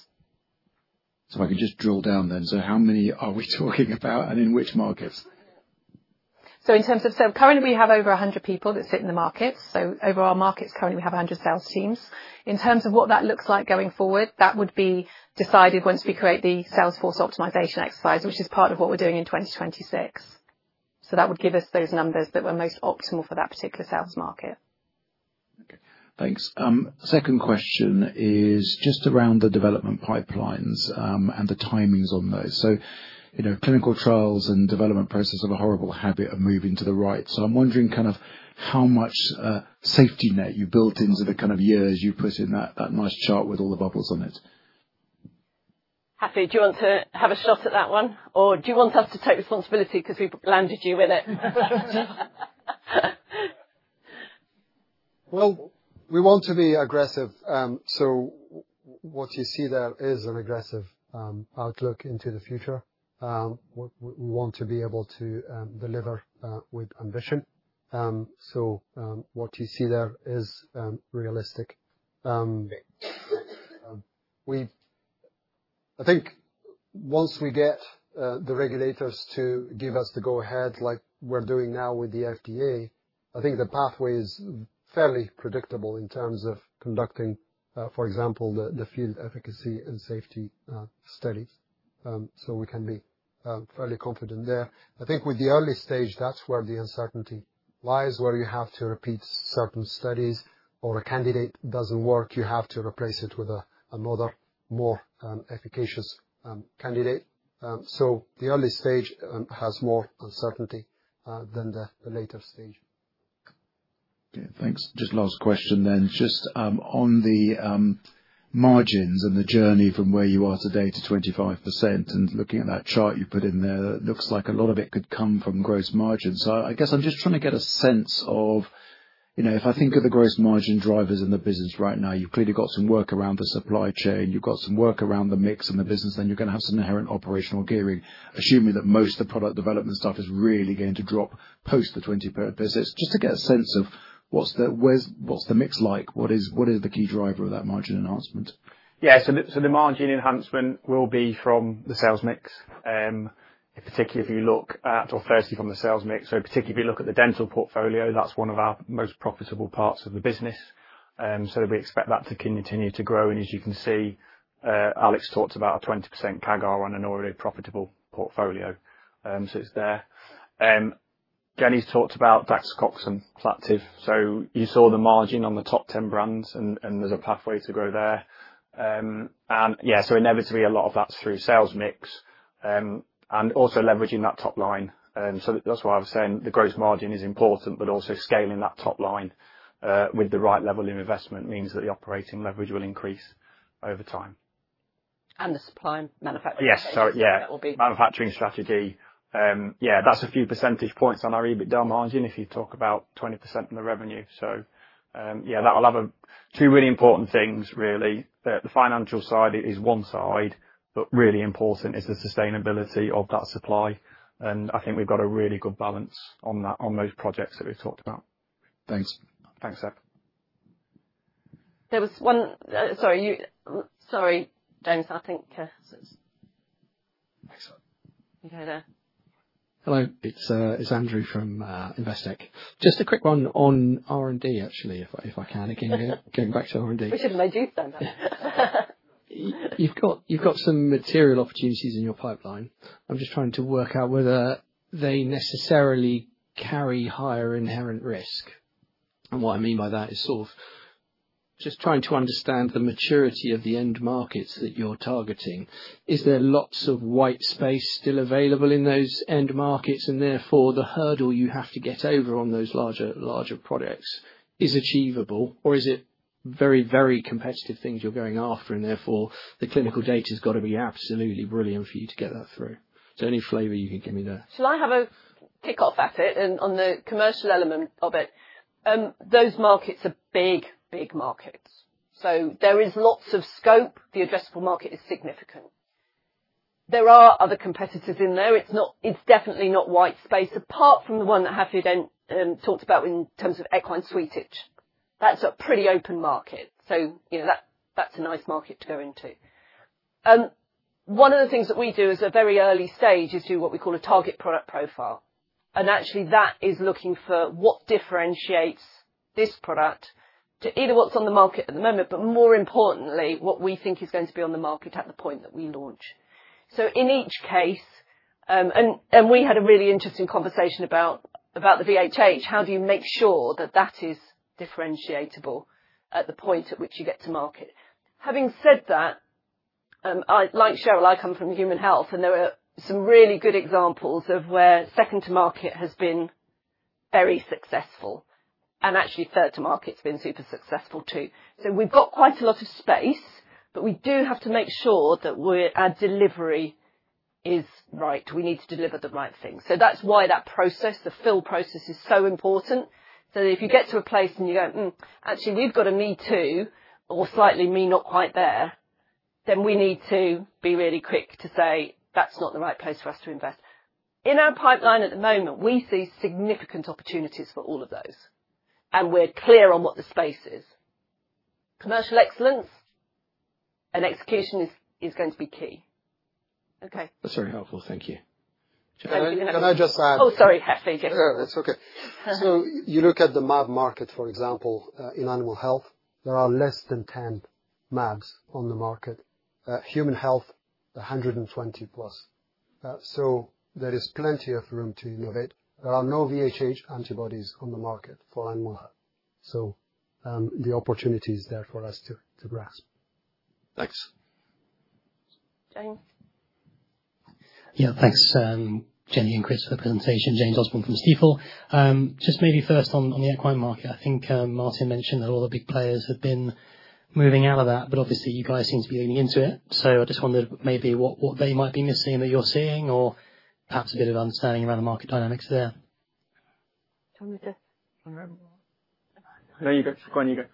If I could just drill down then, how many are we talking about and in which markets? In terms of sales, currently we have over 100 people that sit in the markets. Overall markets, currently we have 100 sales teams. In terms of what that looks like going forward, that would be decided once we create the sales force optimization exercise, which is part of what we're doing in 2026. That would give us those numbers that were most optimal for that particular sales market. Okay, thanks. Second question is just around the development pipelines, and the timings on those. Clinical trials and development process have a horrible habit of moving to the right. I'm wondering kind of how much safety net you built into the kind of years you put in that nice chart with all the bubbles on it. Hafid, do you want to have a shot at that one? Do you want us to take responsibility because we landed you in it? Well, we want to be aggressive, so what you see there is an aggressive outlook into the future. We want to be able to deliver with ambition. What you see there is realistic. Great. I think once we get the regulators to give us the go-ahead like we're doing now with the FDA, I think the pathway is fairly predictable in terms of conducting, for example, the field efficacy and safety studies. We can be fairly confident there. I think with the early stage, that's where the uncertainty lies, where you have to repeat certain studies, or a candidate doesn't work, you have to replace it with another, more efficacious candidate. The early stage has more uncertainty than the later stage. Okay, thanks. Just last question then, just on the margins and the journey from where you are today to 25% and looking at that chart you put in there, looks like a lot of it could come from gross margins. I guess I'm just trying to get a sense of, if I think of the gross margin drivers in the business right now, you've clearly got some work around the supply chain. You've got some work around the mix in the business, and you're going to have some inherent operational gearing. Assuming that most of the product development stuff is really going to drop post the 20%, just to get a sense of what's the mix like, what is the key driver of that margin enhancement? Yeah. The margin enhancement will be from the sales mix. In particular, firstly from the sales mix. Particularly if you look at the dental portfolio, that's one of our most profitable parts of the business. We expect that to continue to grow, and as you can see, Alex talked about a 20% CAGR on an already profitable portfolio. It's there. Jennifer's talked about Daxocox and Plaqtiv+. You saw the margin on the top 10 brands, and there's a pathway to grow there. Yeah, inevitably, a lot of that's through sales mix. Also leveraging that top line. That's why I was saying the gross margin is important, but also scaling that top line with the right level of investment means that the operating leverage will increase over time. The supply and manufacturing. Yes. Sorry. Yeah. That will be. Manufacturing strategy. Yeah, that's a few percentage points on our EBITDA margin if you talk about 20% on the revenue. Yeah, that will have two really important things, really. The financial side is one side, but really important is the sustainability of that supply. I think we've got a really good balance on those projects that we've talked about. Thanks. Thanks, Seb. Sorry, James. Okay, there. Hello, it's Andrew from Investec. Just a quick one on R&D, actually, if I can. Yes, please. Again, going back to R&D. We should introduce then. You've got some material opportunities in your pipeline. I'm just trying to work out whether they necessarily carry higher inherent risk. What I mean by that is sort of just trying to understand the maturity of the end markets that you're targeting. Is there lots of white space still available in those end markets, and therefore, the hurdle you have to get over on those larger products is achievable? Is it very, very competitive things you're going after, and therefore, the clinical data has got to be absolutely brilliant for you to get that through? Is there any flavor you can give me there? Shall I have a kickoff at it and on the commercial element of it. Those markets are big, big markets. There is lots of scope. The addressable market is significant. There are other competitors in there. It's definitely not white space, apart from the one that Hafid talked about in terms of equine Sweet Itch. That's a pretty open market. That's a nice market to go into. One of the things that we do as a very early stage is do what we call a target product profile. Actually, that is looking for what differentiates this product to either what's on the market at the moment, but more importantly, what we think is going to be on the market at the point that we launch. In each case, we had a really interesting conversation about the VHH antibodies. How do you make sure that that is differentiable at the point at which you get to market? Having said that, like Cheryl, I come from human health, and there are some really good examples of where second to market has been very successful, and actually third to market has been super successful, too. We've got quite a lot of space, but we do have to make sure that our delivery is right. We need to deliver the right thing. That's why that process, the I2L process is so important. So if you get to a place and you go, "Hmm, actually, we've got a me too, or slightly me, not quite there," then we need to be really quick to say, "That's not the right place for us to invest." In our pipeline at the moment, we see significant opportunities for all of those. And we're clear on what the space is. Commercial excellence and execution is going to be key. Okay. That's very helpful. Thank you. Can I just add? Oh, sorry, Hafid, yes. No, it's okay. You look at the mAb market, for example, in animal health, there are less than 10 mAbs on the market. Human health, 120+. There is plenty of room to innovate. There are no VHH antibodies on the market for animal health. The opportunity is there for us to grasp. Thanks. James. Yeah. Thanks, Jennifer and Chris, for the presentation. James Orsborne from Stifel. Just maybe first on the equine market, I think Martin mentioned that all the big players have been moving out of that, but obviously, you guys seem to be leaning into it. I just wondered maybe what they might be missing that you're seeing or perhaps a bit of understanding around the market dynamics there. Do you want me to? No, you go. Go on, you go.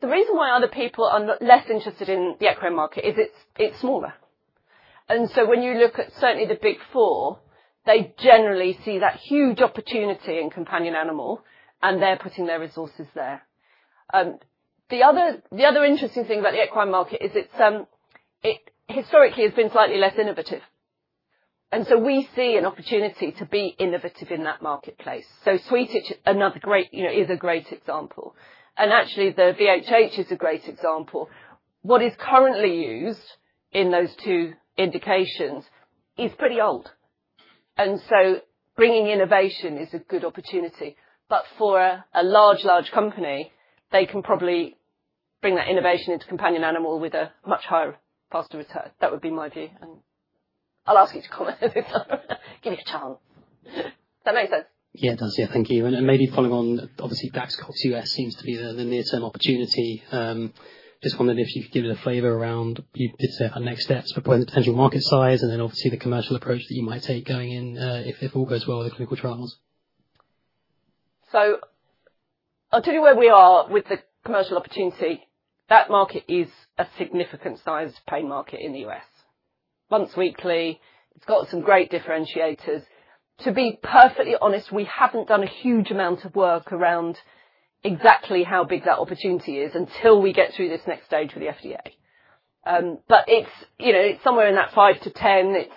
The reason why other people are less interested in the equine market is it's smaller. When you look at certainly the Big Four, they generally see that huge opportunity in companion animal, and they're putting their resources there. The other interesting thing about the equine market is it historically has been slightly less innovative. We see an opportunity to be innovative in that marketplace. Sweet Itch is a great example. Actually, the VHH antibodies is a great example. What is currently used in those two indications is pretty old. Bringing innovation is a good opportunity. For a large company, they can probably bring that innovation into companion animal with a much higher, faster return. That would be my view. I'll ask you to comment. Give you a chance. Does that make sense? Yeah, it does. Thank you. Maybe following on, obviously Daxocox, U.S. seems to be the near-term opportunity. Just wondering if you could give it a flavor around, you did say the next steps, but what the potential market size and then obviously the commercial approach that you might take going in, if all goes well with the clinical trials? I'll tell you where we are with the commercial opportunity. That market is a significant sized pain market in the U.S. Once weekly, it's got some great differentiators. To be perfectly honest, we haven't done a huge amount of work around exactly how big that opportunity is until we get through this next stage with the FDA. It's somewhere in that 5-10.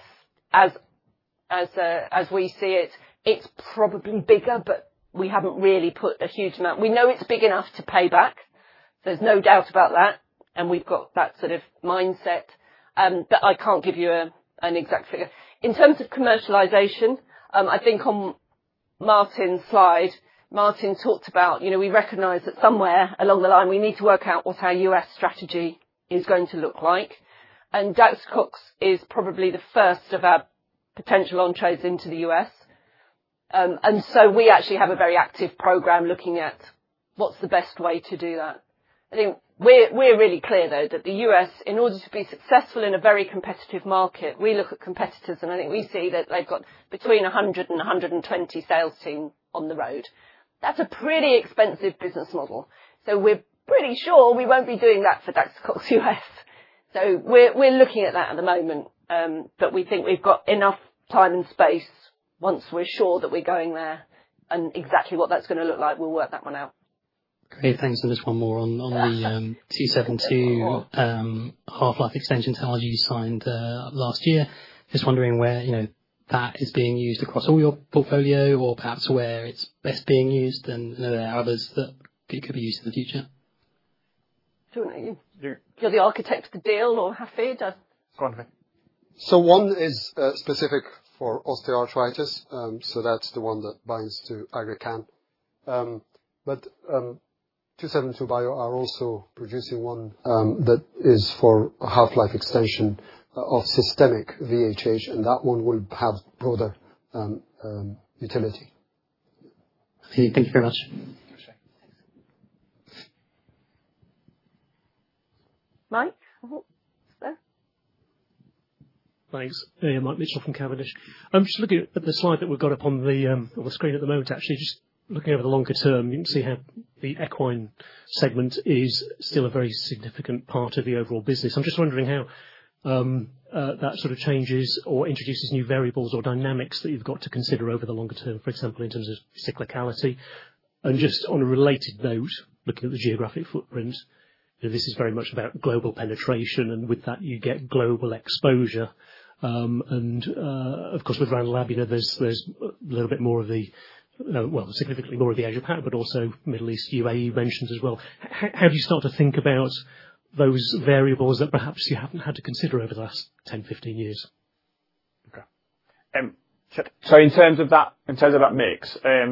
As we see it's probably bigger, but we haven't really put a huge amount. We know it's big enough to pay back. There's no doubt about that, and we've got that sort of mindset. I can't give you an exact figure. In terms of commercialization, I think on Martin's slide, Martin talked about we recognize that somewhere along the line, we need to work out what our U.S. strategy is going to look like. Daxocox is probably the first of our potential entries into the U.S. We actually have a very active program looking at what's the best way to do that. I think we're really clear, though, that the U.S., in order to be successful in a very competitive market, we look at competitors, and I think we see that they've got between 100 and 120 sales team on the road. That's a pretty expensive business model. We're pretty sure we won't be doing that for Daxocox U.S. We're looking at that at the moment, but we think we've got enough time and space once we're sure that we're going there and exactly what that's going to look like, we'll work that one out. Okay, thanks. Just one more on the. Yeah 272Bio. One more. Half-life extension technology you signed last year. Just wondering where that is being used across all your portfolio or perhaps where it's best being used and there are others that could be used in the future? You're the architect of the deal or Hafid? Go on, Hafid. One is specific for osteoarthritis, so that's the one that binds to aggrecan. 272Bio are also producing one that is for a half-life extension of systemic VHH, and that one will have broader utility. Thank you very much. Okay. Thanks. Mike Mitchell, sir. Thanks. Hey, Mike Mitchell from Cavendish. I'm just looking at the slide that we've got up on the screen at the moment. Actually, just looking over the longer term, you can see how the equine segment is still a very significant part of the overall business. I'm just wondering how that sort of changes or introduces new variables or dynamics that you've got to consider over the longer term, for example, in terms of cyclicality. Just on a related note, looking at the geographic footprint, this is very much about global penetration, and with that, you get global exposure. Of course, with Randlab, there's, well, significantly more of the Asia-Pac, but also Middle East, UAE mentions as well. How do you start to think about those variables that perhaps you haven't had to consider over the last 10, 15 years? Okay. In terms of that mix, I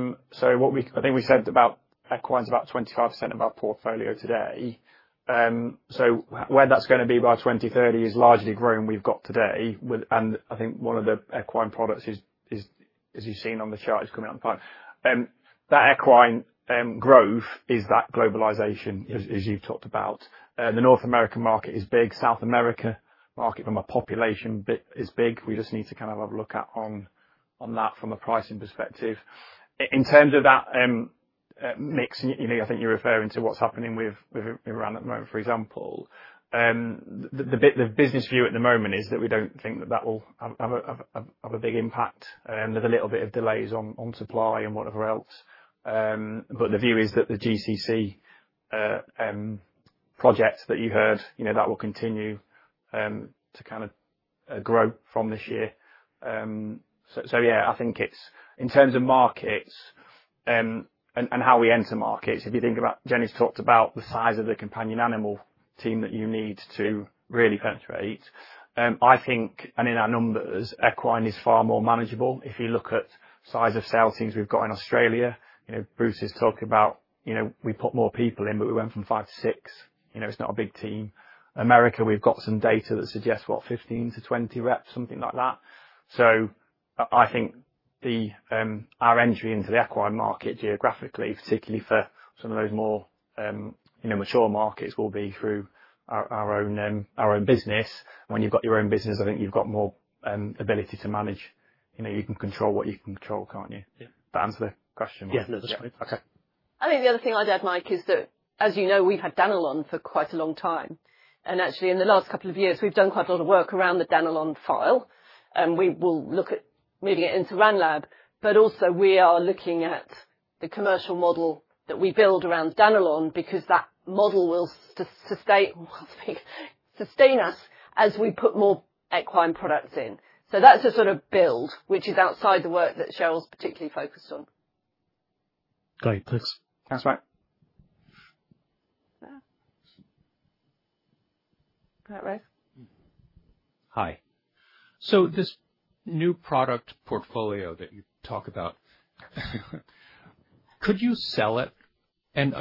think we said about equine's about 25% of our portfolio today. Where that's going to be by 2030 is largely grown we've got today. I think one of the equine products is, as you've seen on the chart, is coming out in five. That equine growth is that globalization. Yes As you've talked about, the North American market is big. South America market from a population bit is big. We just need to kind of have a look out on that from a pricing perspective. In terms of that mix, I think you're referring to what's happening with Randlab at the moment, for example. The business view at the moment is that we don't think that that will have a big impact. There's a little bit of delays on supply and whatever else. The view is that the GCC projects that you heard, that will continue to kind of grow from this year. Yeah, I think in terms of markets and how we enter markets, if you think about Jennifer's talked about the size of the companion animal team that you need to really penetrate. I think, and in our numbers, equine is far more manageable. If you look at size of sales teams we've got in Australia, Bruce is talking about we put more people in, but we went from five to six. It's not a big team. America, we've got some data that suggests what, 15-20 reps, something like that. I think our entry into the equine market geographically, particularly for some of those more mature markets, will be through our own business. When you've got your own business, I think you've got more ability to manage. You can control what you can control, can't you? Yeah. Does that answer the question, Mike? Yes. Okay. I think the other thing I'd add, Mike, is that as you know, we've had Danilon® Equidos Gold for quite a long time. Actually, in the last couple of years, we've done quite a lot of work around the Danilon® Equidos Gold file, moving it into Randlab. Also we are looking at the commercial model that we build around Danilon® Equidos Gold, because that model will sustain us as we put more equine products in. That's a sort of build, which is outside the work that Cheryl's particularly focused on. Great. Thanks. That's all right. Go ahead, Ray. Hi. This new product portfolio that you talk about, could you sell it?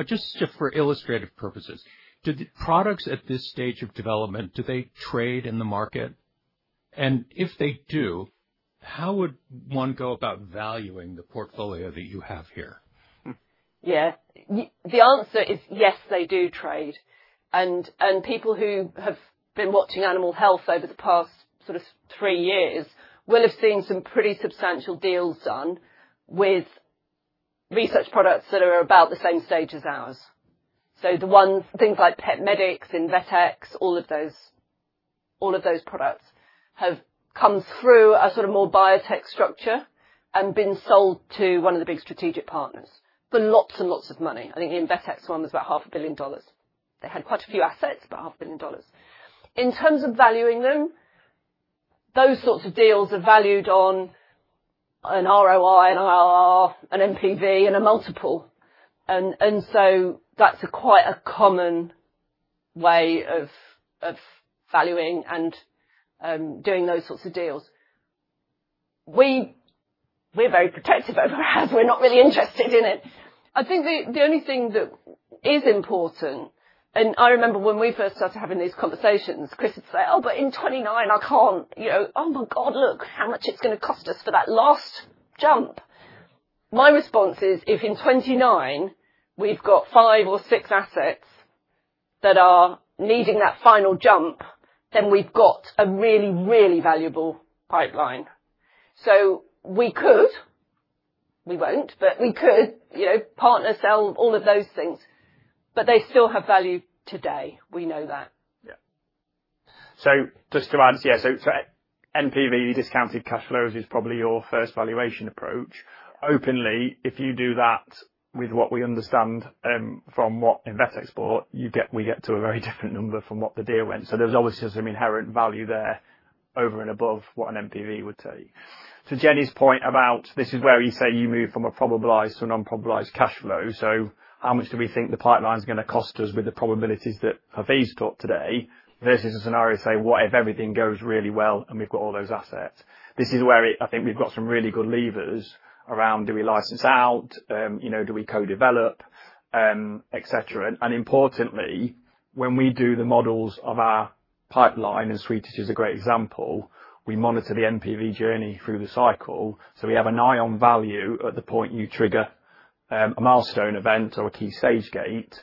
Just for illustrative purposes, do the products at this stage of development, do they trade in the market? If they do, how would one go about valuing the portfolio that you have here? The answer is yes, they do trade. People who have been watching animal health over the past sort of three years will have seen some pretty substantial deals done with research products that are about the same stage as ours. The one thing like PetMedix, Invetx, all of those products have come through a sort of more biotech structure and been sold to one of the big strategic partners for lots and lots of money. I think the Invetx one was about half a billion dollars. They had quite a few assets, about half a billion dollars. In terms of valuing them, those sorts of deals are valued on an ROI, an IRR, an NPV and a multiple. That's quite a common way of valuing and doing those sorts of deals. We're very protective over ours. We're not really interested in it. I think the only thing that is important, and I remember when we first started having these conversations, Chris would say, "Oh, in 2029, I can't. Oh, my God, look how much it's going to cost us for that last jump." My response is, if in 2029 we've got five or six assets that are needing that final jump, then we've got a really valuable pipeline. We could, we won't, but we could partner, sell all of those things. They still have value today. We know that. Yeah. Just to add, yeah, so NPV discounted cash flows is probably your first valuation approach. Openly, if you do that with what we understand, from what Invetx bought, we get to a very different number from what the deal went. There's obviously some inherent value there over and above what an NPV would take. To Jennifer's point about this is where you say you move from a probabilized to a non-probabilized cash flow. How much do we think the pipeline is going to cost us with the probabilities that Hafiz talked today? Versus a scenario say, what if everything goes really well and we've got all those assets? This is where I think we've got some really good levers around do we license out, do we co-develop, et cetera. Importantly, when we do the models of our pipeline, and Sweet Itch is a great example, we monitor the NPV journey through the cycle. We have an eye on value at the point you trigger a milestone event or a key stage gate,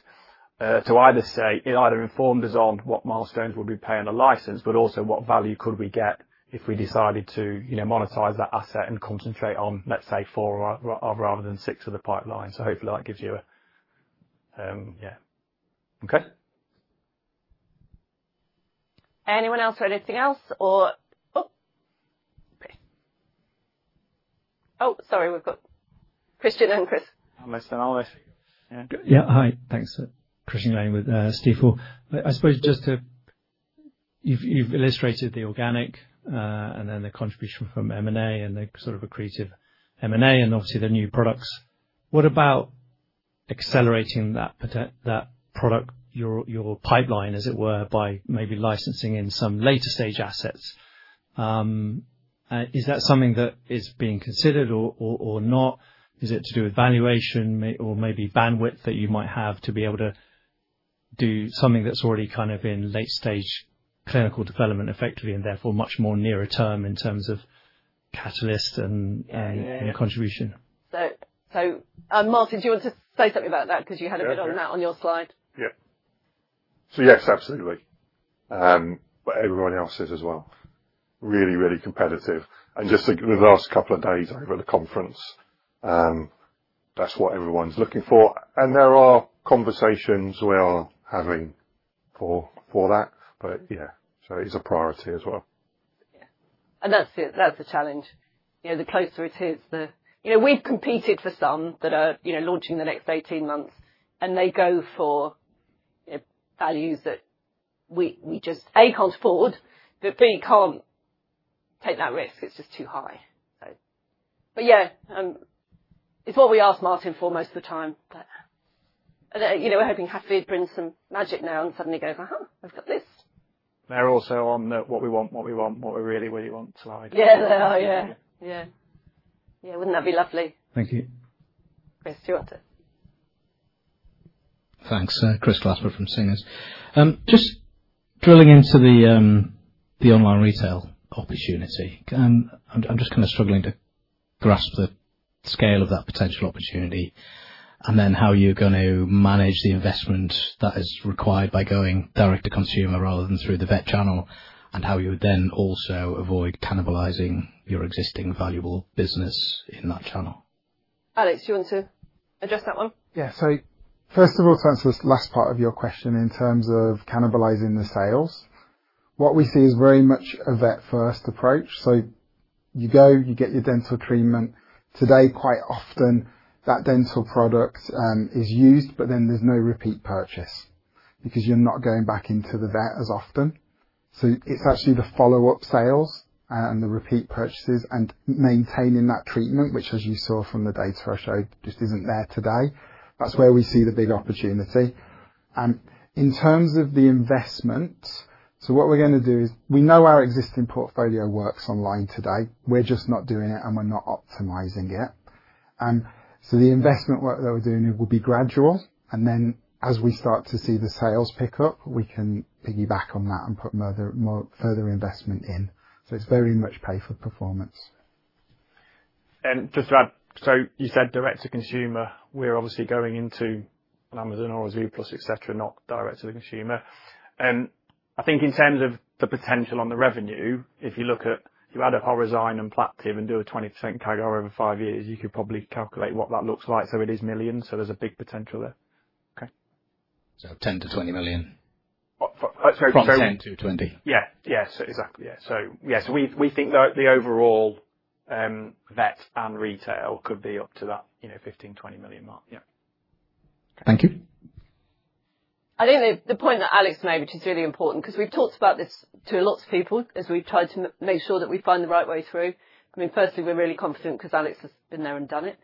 to either say it either informs us on what milestones we'll be paying the license, but also what value could we get if we decided to monetize that asset and concentrate on, let's say, four rather than six of the pipeline. Yeah. Okay. Anyone else or anything else? Oh, sorry, we've got Christian and Chris. Almost done always. Yeah. Yeah. Hi. Thanks. Christian Glennie with Stifel. You've illustrated the organic, and then the contribution from M&A and the sort of accretive M&A and obviously the new products. What about accelerating your pipeline, as it were, by maybe licensing in some later-stage assets? Is that something that is being considered or not? Is it to do with valuation or maybe bandwidth that you might have to be able to do something that's already kind of in late-stage clinical development effectively and therefore much more nearer term in terms of catalysts and contribution? Martin, do you want to say something about that because you had a bit on that on your slide? Yeah, yes, absolutely. Everyone else is as well, really competitive. Just like the last couple of days over the conference, that's what everyone's looking for. There are conversations we are having for that. Yeah, it's a priority as well. Yeah. That's it. That's the challenge. We've competed for some that are launching the next 18 months, and they go for values that we just, A, can't afford, but B, can't take that risk. It's just too high. Yeah, it's what we ask Martin for most of the time. We're hoping Hafid Benchaoui brings some magic now and suddenly goes, aha, I've got this. They're also on the What We Want, What We Really, Really Want slide. Yeah, they are. Yeah. Yeah. Yeah. Wouldn't that be lovely? Thank you. Chris, do you want to? Thank you. Chris Glasper from Singer Capital Markets. I'm just drilling into the online retail opportunity. I'm just kind of struggling to grasp the scale of that potential opportunity and then how you're going to manage the investment that is required by going direct to consumer rather than through the vet channel, and how you would then also avoid cannibalizing your existing valuable business in that channel. Alex, do you want to address that one? Yeah. First of all, Glasper, last part of your question in terms of cannibalizing the sales, what we see is very much a vet-first approach. You go, you get your dental treatment. Today, quite often, that dental product is used, but then there's no repeat purchase because you're not going back into the vet as often. It's actually the follow-up sales and the repeat purchases and maintaining that treatment, which as you saw from the data I showed, just isn't there today. That's where we see the big opportunity. In terms of the investment, we know our existing portfolio works online today. We're just not doing it and we're not optimizing it. The investment work that we're doing will be gradual, and then as we start to see the sales pick up, we can piggyback on that and put further investment in. It's very much pay for performance. Just to add, so you said direct to consumer. We're obviously going into an Amazon or a Zooplus, et cetera, not direct to the consumer. I think in terms of the potential on the revenue, if you look at, you add up Orozyme and Plaqtiv+ and do a 20% CAGR over five years, you could probably calculate what that looks like. It is millions. There's a big potential there. 10 million-20 million. Sorry. From 10 million-20 million. Yeah. Exactly, yeah. Yes, we think the overall vet and retail could be up to that 15 million-20 million mark. Yeah. Thank you. I think the point that Alex made, which is really important, 'cause we've talked about this to lots of people as we've tried to make sure that we find the right way through. I mean, firstly, we're really confident 'cause Alex has been there and done it.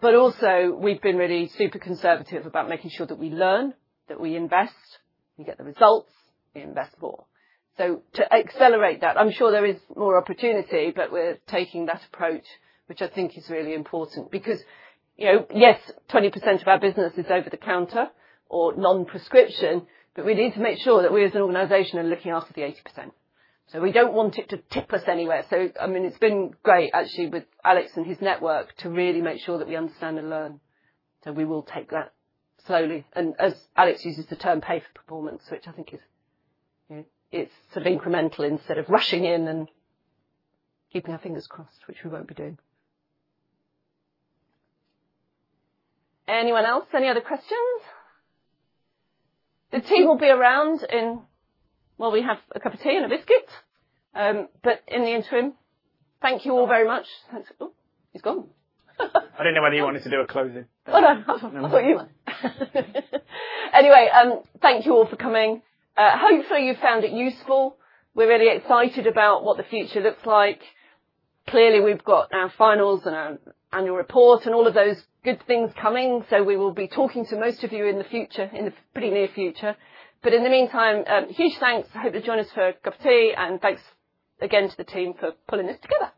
Also, we've been really super conservative about making sure that we learn, that we invest, we get the results, we invest more. To accelerate that, I'm sure there is more opportunity, but we're taking that approach, which I think is really important because, yes, 20% of our business is over-the-counter or non-prescription, but we need to make sure that we as an organization are looking after the 80%. We don't want it to tip us anywhere. I mean, it's been great actually with Alex and his network to really make sure that we understand and learn. We will take that slowly. As Alex uses the term, pay for performance, which I think is sort of incremental instead of rushing in and keeping our fingers crossed, which we won't be doing. Anyone else? Any other questions? The team will be around and, well, we have a cup of tea and a biscuit. In the interim, thank you all very much. Oh, he's gone. I didn't know whether you wanted to do a closing. Oh, no. I thought you might. Anyway, thank you all for coming. Hopefully, you found it useful. We're really excited about what the future looks like. Clearly, we've got our finals and our annual report and all of those good things coming. We will be talking to most of you in the future, in the pretty near future. In the meantime, huge thanks. I hope you'll join us for a cup of tea. Thanks again to the team for pulling this together.